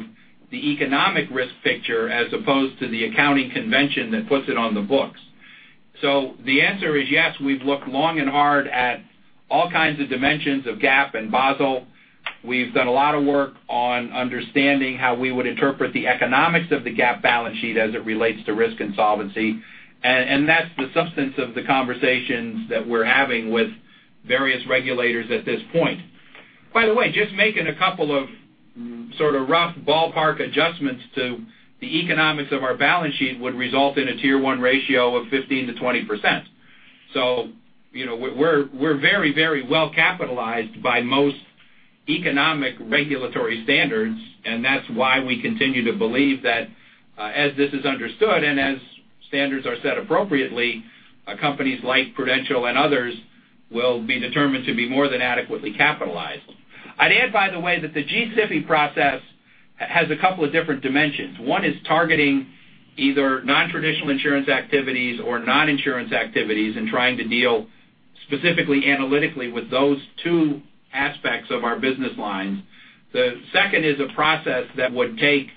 S4: the economic risk picture as opposed to the accounting convention that puts it on the books. The answer is yes, we've looked long and hard at all kinds of dimensions of GAAP and Basel. We've done a lot of work on understanding how we would interpret the economics of the GAAP balance sheet as it relates to risk and solvency. That's the substance of the conversations that we're having with various regulators at this point. By the way, just making a couple of sort of rough ballpark adjustments to the economics of our balance sheet would result in a tier 1 ratio of 15%-20%. We're very well capitalized by most economic regulatory standards, and that's why we continue to believe that as this is understood and as standards are set appropriately, companies like Prudential and others will be determined to be more than adequately capitalized. I'd add, by the way, that the G-SIFI process has a couple of different dimensions. One is targeting either non-traditional insurance activities or non-insurance activities and trying to deal specifically analytically with those two aspects of our business lines. The second is a process that would take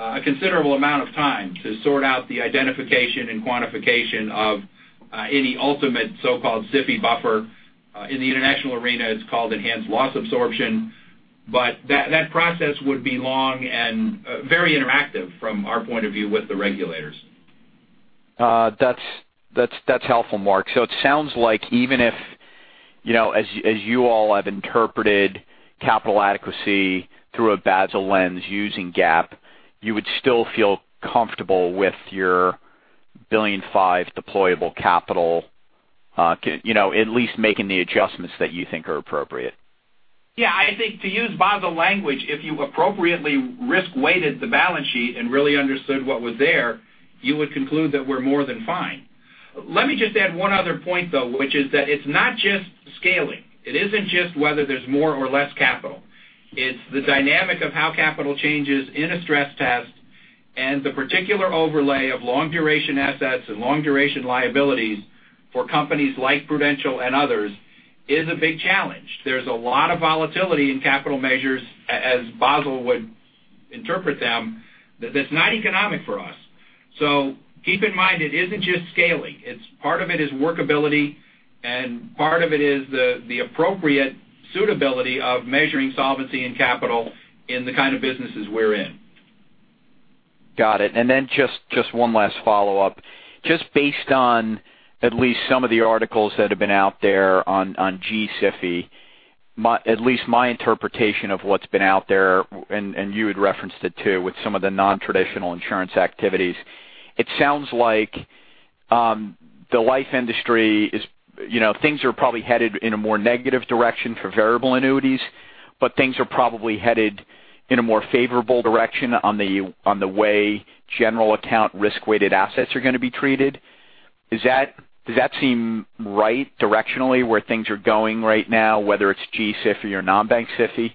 S4: a considerable amount of time to sort out the identification and quantification of any ultimate so-called SIFI buffer. In the international arena, it's called enhanced loss absorption. That process would be long and very interactive from our point of view with the regulators.
S11: That's helpful, Mark. It sounds like even if as you all have interpreted capital adequacy through a Basel lens using GAAP, you would still feel comfortable with your $1.5 billion deployable capital at least making the adjustments that you think are appropriate.
S4: Yeah. I think to use Basel language, if you appropriately risk-weighted the balance sheet and really understood what was there, you would conclude that we're more than fine. Let me just add one other point, though, which is that it's not just scaling. It isn't just whether there's more or less capital. It's the dynamic of how capital changes in a stress test and the particular overlay of long duration assets and long duration liabilities for companies like Prudential and others is a big challenge. There's a lot of volatility in capital measures, as Basel would interpret them, that's not economic for us. Keep in mind, it isn't just scaling. Part of it is workability, and part of it is the appropriate suitability of measuring solvency and capital in the kind of businesses we're in.
S11: Got it. Just one last follow-up. Just based on at least some of the articles that have been out there on G-SIFIs, at least my interpretation of what's been out there, and you had referenced it too, with some of the non-traditional insurance activities. It sounds like the life industry is things are probably headed in a more negative direction for variable annuities, but things are probably headed in a more favorable direction on the way general account risk-weighted assets are going to be treated. Does that seem right directionally where things are going right now, whether it's G-SIFIs or non-bank SIFI?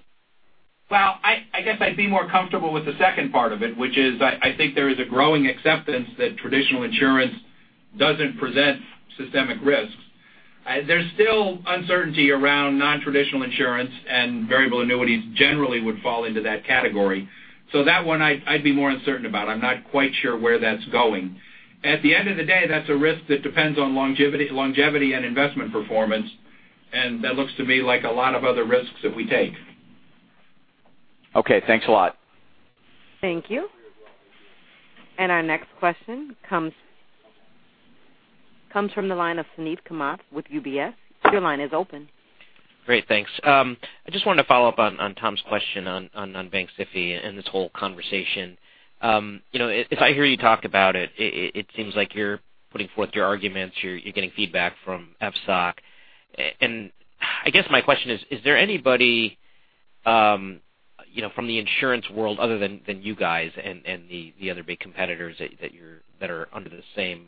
S4: Well, I guess I'd be more comfortable with the second part of it, which is I think there is a growing acceptance that traditional insurance doesn't present systemic risks. There's still uncertainty around non-traditional insurance, and variable annuities generally would fall into that category. That one I'd be more uncertain about. I'm not quite sure where that's going. At the end of the day, that's a risk that depends on longevity and investment performance, and that looks to me like a lot of other risks that we take.
S11: Okay, thanks a lot.
S1: Thank you. Our next question comes from the line of Suneet Kamath with UBS. Your line is open.
S12: Great, thanks. I just wanted to follow up on Tom's question on bank SIFI and this whole conversation. If I hear you talk about it seems like you're putting forth your arguments, you're getting feedback from FSOC. I guess my question is there anybody from the insurance world other than you guys and the other big competitors that are under the same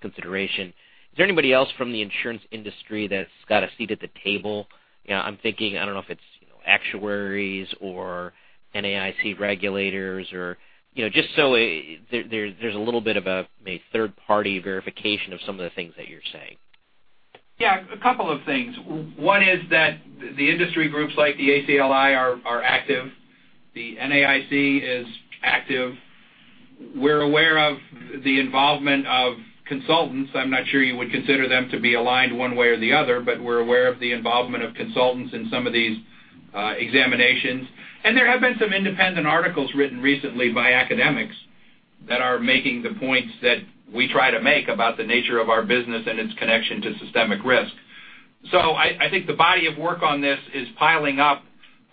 S12: consideration? Is there anybody else from the insurance industry that's got a seat at the table? I'm thinking, I don't know if it's actuaries or NAIC regulators or just so there's a little bit of a third-party verification of some of the things that you're saying.
S4: Yeah, a couple of things. One is that the industry groups like the ACLI are active. The NAIC is active. We're aware of the involvement of consultants. I'm not sure you would consider them to be aligned one way or the other, but we're aware of the involvement of consultants in some of these examinations. There have been some independent articles written recently by academics that are making the points that we try to make about the nature of our business and its connection to systemic risk. I think the body of work on this is piling up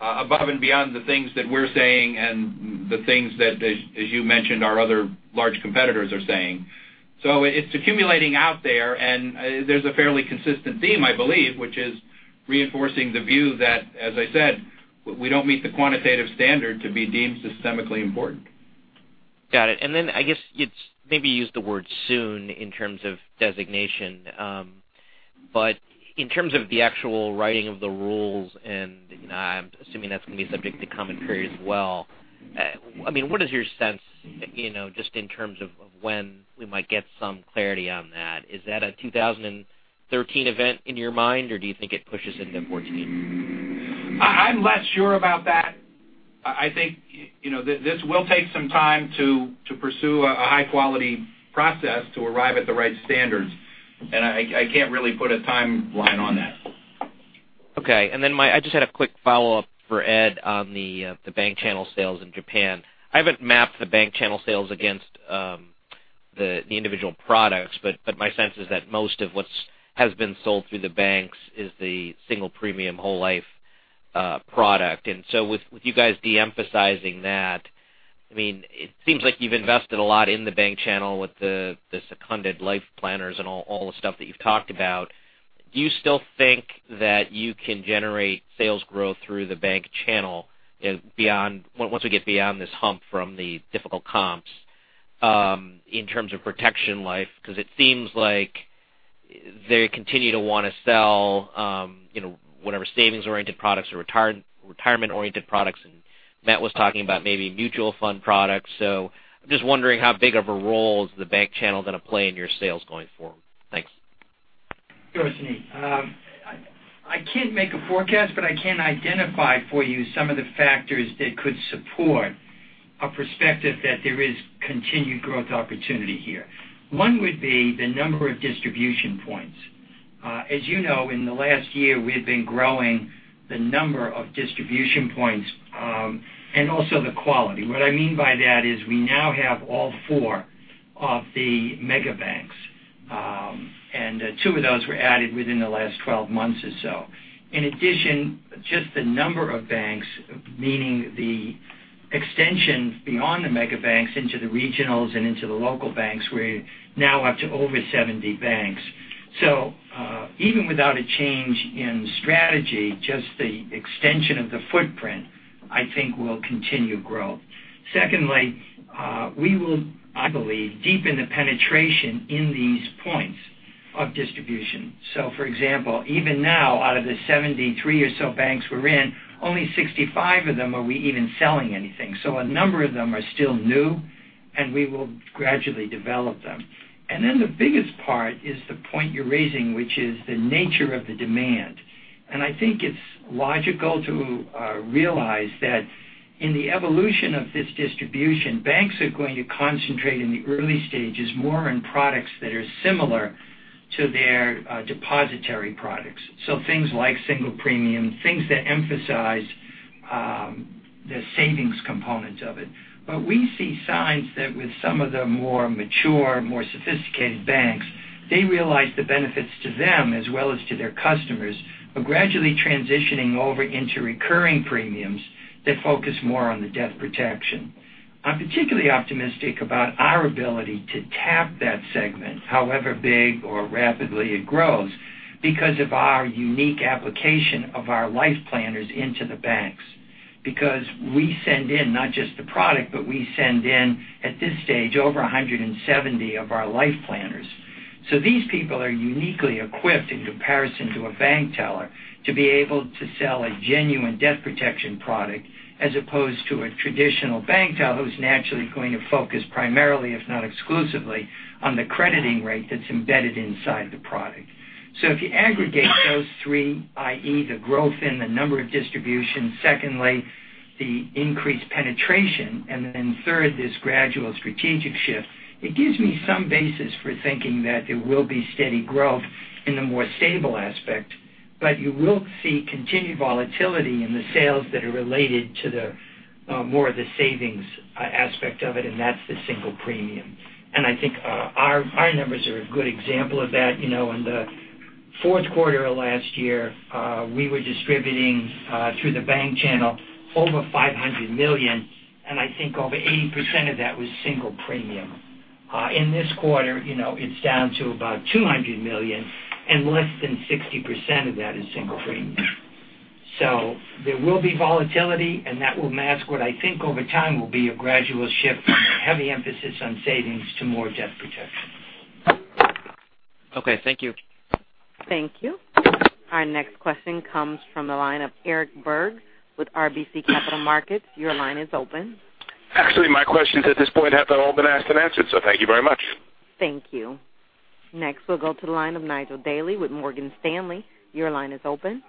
S4: above and beyond the things that we're saying and the things that, as you mentioned, our other large competitors are saying. It's accumulating out there, and there's a fairly consistent theme, I believe, which is reinforcing the view that, as I said, we don't meet the quantitative standard to be deemed systemically important.
S12: Got it. I guess you maybe used the word soon in terms of designation. In terms of the actual writing of the rules, and I'm assuming that's going to be subject to commentary as well. What is your sense just in terms of when we might get some clarity on that? Is that a 2013 event in your mind, or do you think it pushes into 2014?
S4: I'm less sure about that. I think this will take some time to pursue a high-quality process to arrive at the right standards. I can't really put a timeline on that.
S12: Okay. I just had a quick follow-up for Ed on the bank channel sales in Japan. I haven't mapped the bank channel sales against the individual products, but my sense is that most of what has been sold through the banks is the single premium whole life product. With you guys de-emphasizing that, it seems like you've invested a lot in the bank channel with the seconded Life Planners and all the stuff that you've talked about. Do you still think that you can generate sales growth through the bank channel once we get beyond this hump from the difficult comps in terms of protection life? Because it seems like they continue to want to sell whatever savings-oriented products or retirement-oriented products, and Mark was talking about maybe mutual fund products. I'm just wondering how big of a role is the bank channel going to play in your sales going forward? Thanks.
S8: Sure, Suneet. I can't make a forecast, but I can identify for you some of the factors that could support a perspective that there is continued growth opportunity here. One would be the number of distribution points. As you know, in the last year, we have been growing the number of distribution points and also the quality. What I mean by that is we now have all four of the mega banks, and two of those were added within the last 12 months or so. In addition, just the number of banks, meaning the extension beyond the mega banks into the regionals and into the local banks, we're now up to over 70 banks. Even without a change in strategy, just the extension of the footprint, I think will continue growth. Secondly, we will, I believe, deepen the penetration in these points of distribution. For example, even now, out of the 73 or so banks we're in, only 65 of them are we even selling anything. A number of them are still new, and we will gradually develop them. The biggest part is the point you're raising, which is the nature of the demand. I think it's logical to realize that in the evolution of this distribution, banks are going to concentrate in the early stages more on products that are similar to their depository products. Things like single premium, things that emphasize the savings component of it. We see signs that with some of the more mature, more sophisticated banks, they realize the benefits to them as well as to their customers, are gradually transitioning over into recurring premiums that focus more on the debt protection. I'm particularly optimistic about our ability to tap that segment, however big or rapidly it grows, because of our unique application of our Life Planners into the banks. We send in not just the product, but we send in, at this stage, over 170 of our Life Planners. These people are uniquely equipped in comparison to a bank teller to be able to sell a genuine debt protection product as opposed to a traditional bank teller who's naturally going to focus primarily, if not exclusively, on the crediting rate that's embedded inside the product. If you aggregate those three, i.e., the growth in the number of distributions, secondly, the increased penetration, and then third, this gradual strategic shift, it gives me some basis for thinking that there will be steady growth in the more stable aspect. You will see continued volatility in the sales that are related to more of the savings aspect of it, and that's the single premium. I think our numbers are a good example of that. In the fourth quarter of last year, we were distributing through the bank channel over $500 million, and I think over 80% of that was single premium. In this quarter, it's down to about $200 million and less than 60% of that is single premium. There will be volatility and that will mask what I think over time will be a gradual shift from a heavy emphasis on savings to more debt protection.
S12: Okay, thank you.
S1: Thank you. Our next question comes from the line of Eric Berg with RBC Capital Markets. Your line is open.
S13: Actually, my questions at this point have all been asked and answered. Thank you very much.
S1: Thank you. Next, we'll go to the line of Nigel Dally with Morgan Stanley. Your line is open.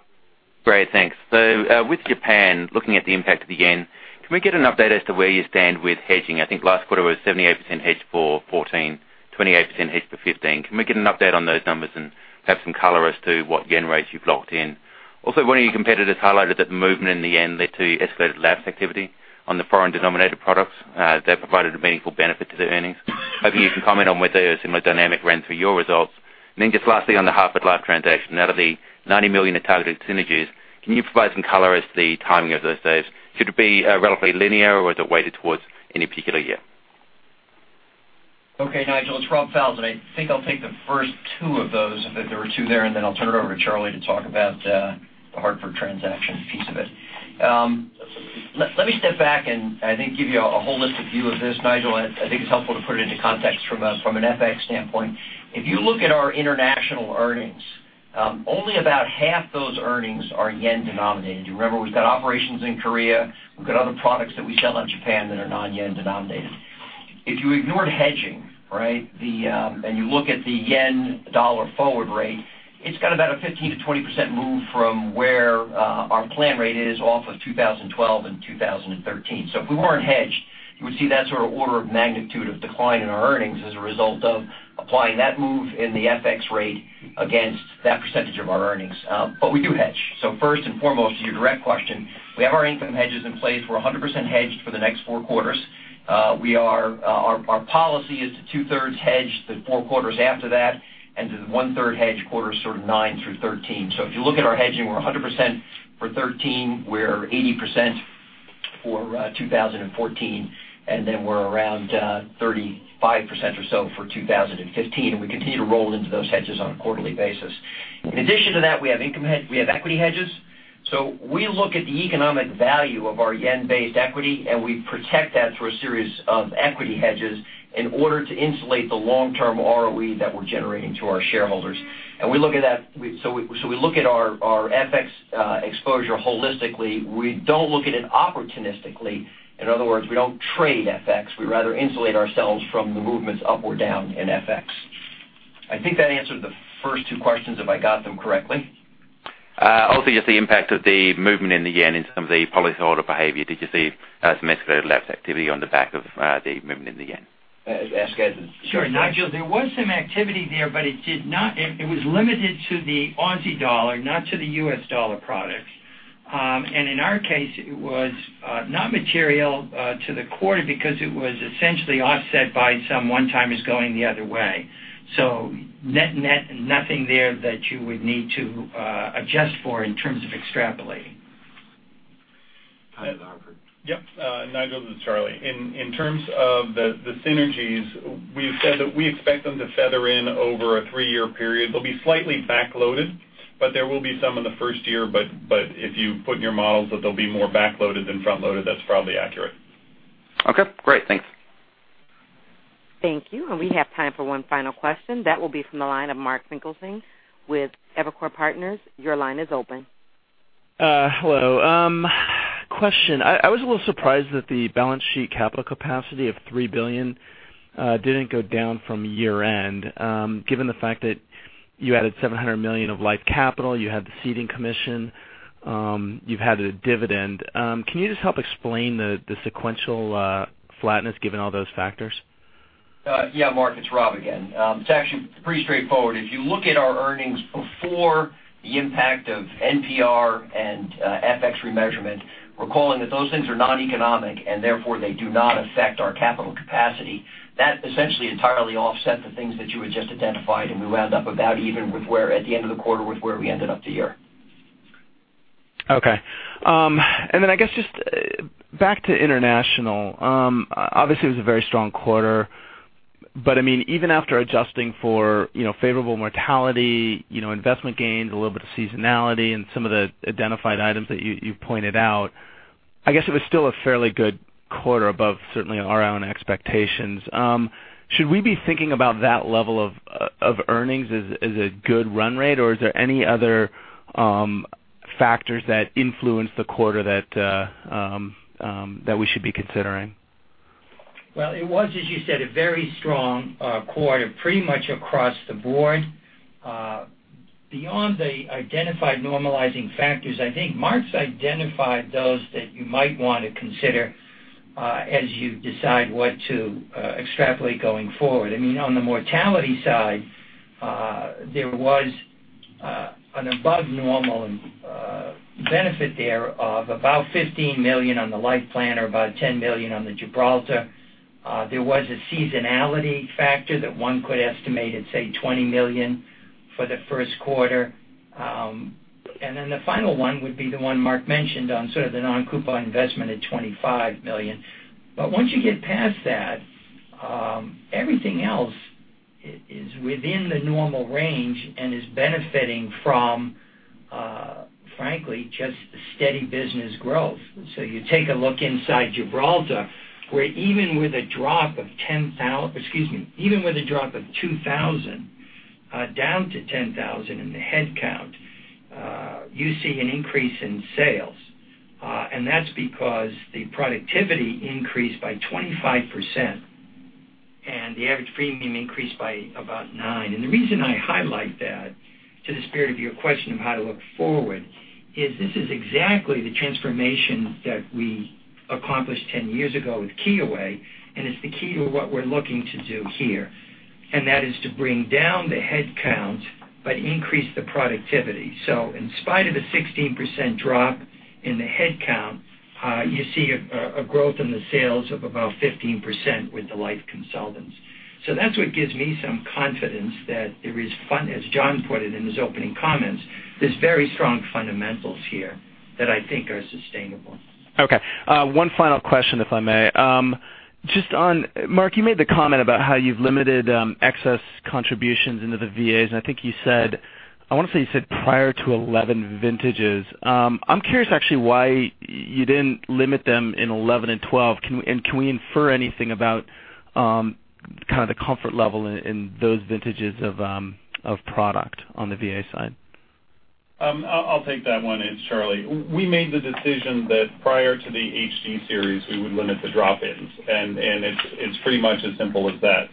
S14: Great, thanks. With Japan, looking at the impact of the JPY, can we get an update as to where you stand with hedging? I think last quarter was 78% hedge for 2014, 28% hedge for 2015. Can we get an update on those numbers and perhaps some color as to what JPY rates you've locked in? Also, one of your competitors highlighted that the movement in the JPY led to escalated lapse activity on the foreign denominated products. They provided a meaningful benefit to their earnings. Hoping you can comment on whether a similar dynamic ran through your results. Just lastly, on the Hartford Life transaction. Out of the $90 million of targeted synergies, can you provide some color as to the timing of those saves? Should it be relatively linear or is it weighted towards any particular year?
S5: Okay, Nigel, it's Rob Falzon. I think I'll take the first two of those, there were two there, and then I'll turn it over to Charlie to talk about the Hartford transaction piece of it. Let me step back and I think give you a holistic view of this, Nigel. I think it's helpful to put it into context from an FX standpoint. If you look at our international earnings, only about half those earnings are JPY denominated. You remember, we've got operations in Korea, we've got other products that we sell out of Japan that are non-JPY denominated. If you ignored hedging and you look at the JPY-USD forward rate, it's got about a 15%-20% move from where our plan rate is off of 2012 and 2013. If we weren't hedged, you would see that sort of order of magnitude of decline in our earnings as a result of applying that move in the FX rate against that percentage of our earnings. We do hedge. First and foremost, to your direct question, we have our income hedges in place. We're 100% hedged for the next four quarters. Our policy is to two-thirds hedge the four quarters after that and to one-third hedge quarters sort of nine through 13. If you look at our hedging, we're 100% for 2013, we're 80% for 2014, and then we're around 35% or so for 2015, and we continue to roll into those hedges on a quarterly basis. In addition to that, we have equity hedges. We look at the economic value of our JPY-based equity, and we protect that through a series of equity hedges in order to insulate the long-term ROE that we're generating to our shareholders. We look at our FX exposure holistically. We don't look at it opportunistically. In other words, we don't trade FX. We'd rather insulate ourselves from the movements up or down in FX. I think that answered the first two questions if I got them correctly.
S14: Just the impact of the movement in the yen in some of the policyholder behavior. Did you see some escalated lapse activity on the back of the movement in the yen?
S5: Sure, Nigel. There was some activity there, but it was limited to the AUD, not to the US dollar products. In our case, it was not material to the quarter because it was essentially offset by some one-timers going the other way. Net, nothing there that you would need to adjust for in terms of extrapolating.
S14: Hi, Robert.
S10: Yep. Nigel, this is Charlie. In terms of the synergies, we've said that we expect them to feather in over a three-year period. They'll be slightly back-loaded, but there will be some in the first year. If you put in your models that they'll be more back-loaded than front-loaded, that's probably accurate.
S14: Okay, great. Thanks.
S1: Thank you. We have time for one final question. That will be from the line of Mark Finkelstein with Evercore Partners. Your line is open.
S15: Hello. Question, I was a little surprised that the balance sheet capital capacity of $3 billion didn't go down from year-end, given the fact that you added $700 million of life capital, you had the ceding commission, you've had a dividend. Can you just help explain the sequential flatness given all those factors?
S5: Yeah, Mark, it's Rob again. It's actually pretty straightforward. If you look at our earnings before the impact of NPR and FX remeasurement, recalling that those things are non-economic and therefore they do not affect our capital capacity, that essentially entirely offset the things that you had just identified, and we wound up about even at the end of the quarter with where we ended up the year.
S15: Okay. Back to international. Obviously, it was a very strong quarter, but even after adjusting for favorable mortality, investment gains, a little bit of seasonality, and some of the identified items that you pointed out, I guess it was still a fairly good quarter above certainly our own expectations. Should we be thinking about that level of earnings as a good run rate, or are there any other factors that influenced the quarter that we should be considering?
S8: Well, it was, as you said, a very strong quarter pretty much across the board. Beyond the identified normalizing factors, I think Mark's identified those that you might want to consider as you decide what to extrapolate going forward. On the mortality side, there was an above-normal benefit there of about $15 million on the Life Planner, about $10 million on The Gibraltar. There was a seasonality factor that one could estimate at, say, $20 million for the first quarter. The final one would be the one Mark mentioned on sort of the non-coupon investment at $25 million. Once you get past that, everything else is within the normal range and is benefiting from, frankly, just steady business growth. You take a look inside The Gibraltar, where even with a drop of 2,000 down to 10,000 in the headcount, you see an increase in sales. That's because the productivity increased by 25%, and the average premium increased by about nine. The reason I highlight that, to the spirit of your question of how to look forward, is this is exactly the transformation that we accomplished 10 years ago with Kyoei Life, and it's the key to what we're looking to do here, and that is to bring down the headcount but increase the productivity. In spite of a 16% drop in the headcount, you see a growth in the sales of about 15% with the life consultants. That's what gives me some confidence that there is, as John put it in his opening comments, there's very strong fundamentals here that I think are sustainable.
S15: Okay. One final question, if I may. Mark, you made the comment about how you've limited excess contributions into the VAs, and I want to say you said prior to 11 vintages. I'm curious actually why you didn't limit them in 11 and 12. Can we infer anything about kind of the comfort level in those vintages of product on the VA side?
S10: I'll take that one, it's Charlie. We made the decision that prior to the HD series, we would limit the drop-ins, and it's pretty much as simple as that.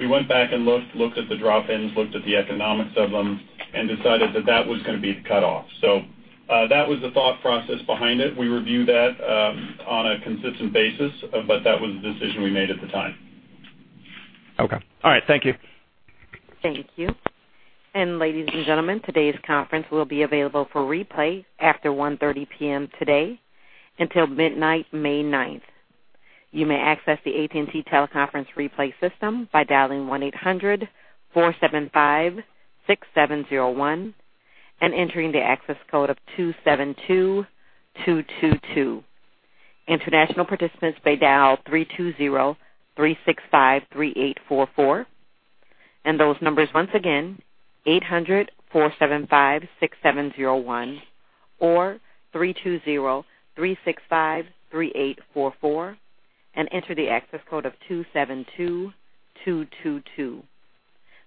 S10: We went back and looked at the drop-ins, looked at the economics of them, and decided that that was going to be the cutoff. That was the thought process behind it. We review that on a consistent basis, but that was the decision we made at the time.
S15: Okay. All right. Thank you.
S1: Thank you. Ladies and gentlemen, today's conference will be available for replay after 1:30 P.M. today until midnight, May 9th. You may access the AT&T teleconference replay system by dialing 1-800-475-6701 and entering the access code of 272222. International participants may dial 3203653844. Those numbers once again, 800-475-6701 or 3203653844 and enter the access code of 272222.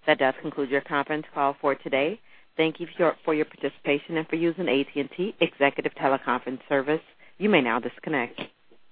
S1: That does conclude your conference call for today. Thank you for your participation and for using AT&T Executive Teleconference Service. You may now disconnect.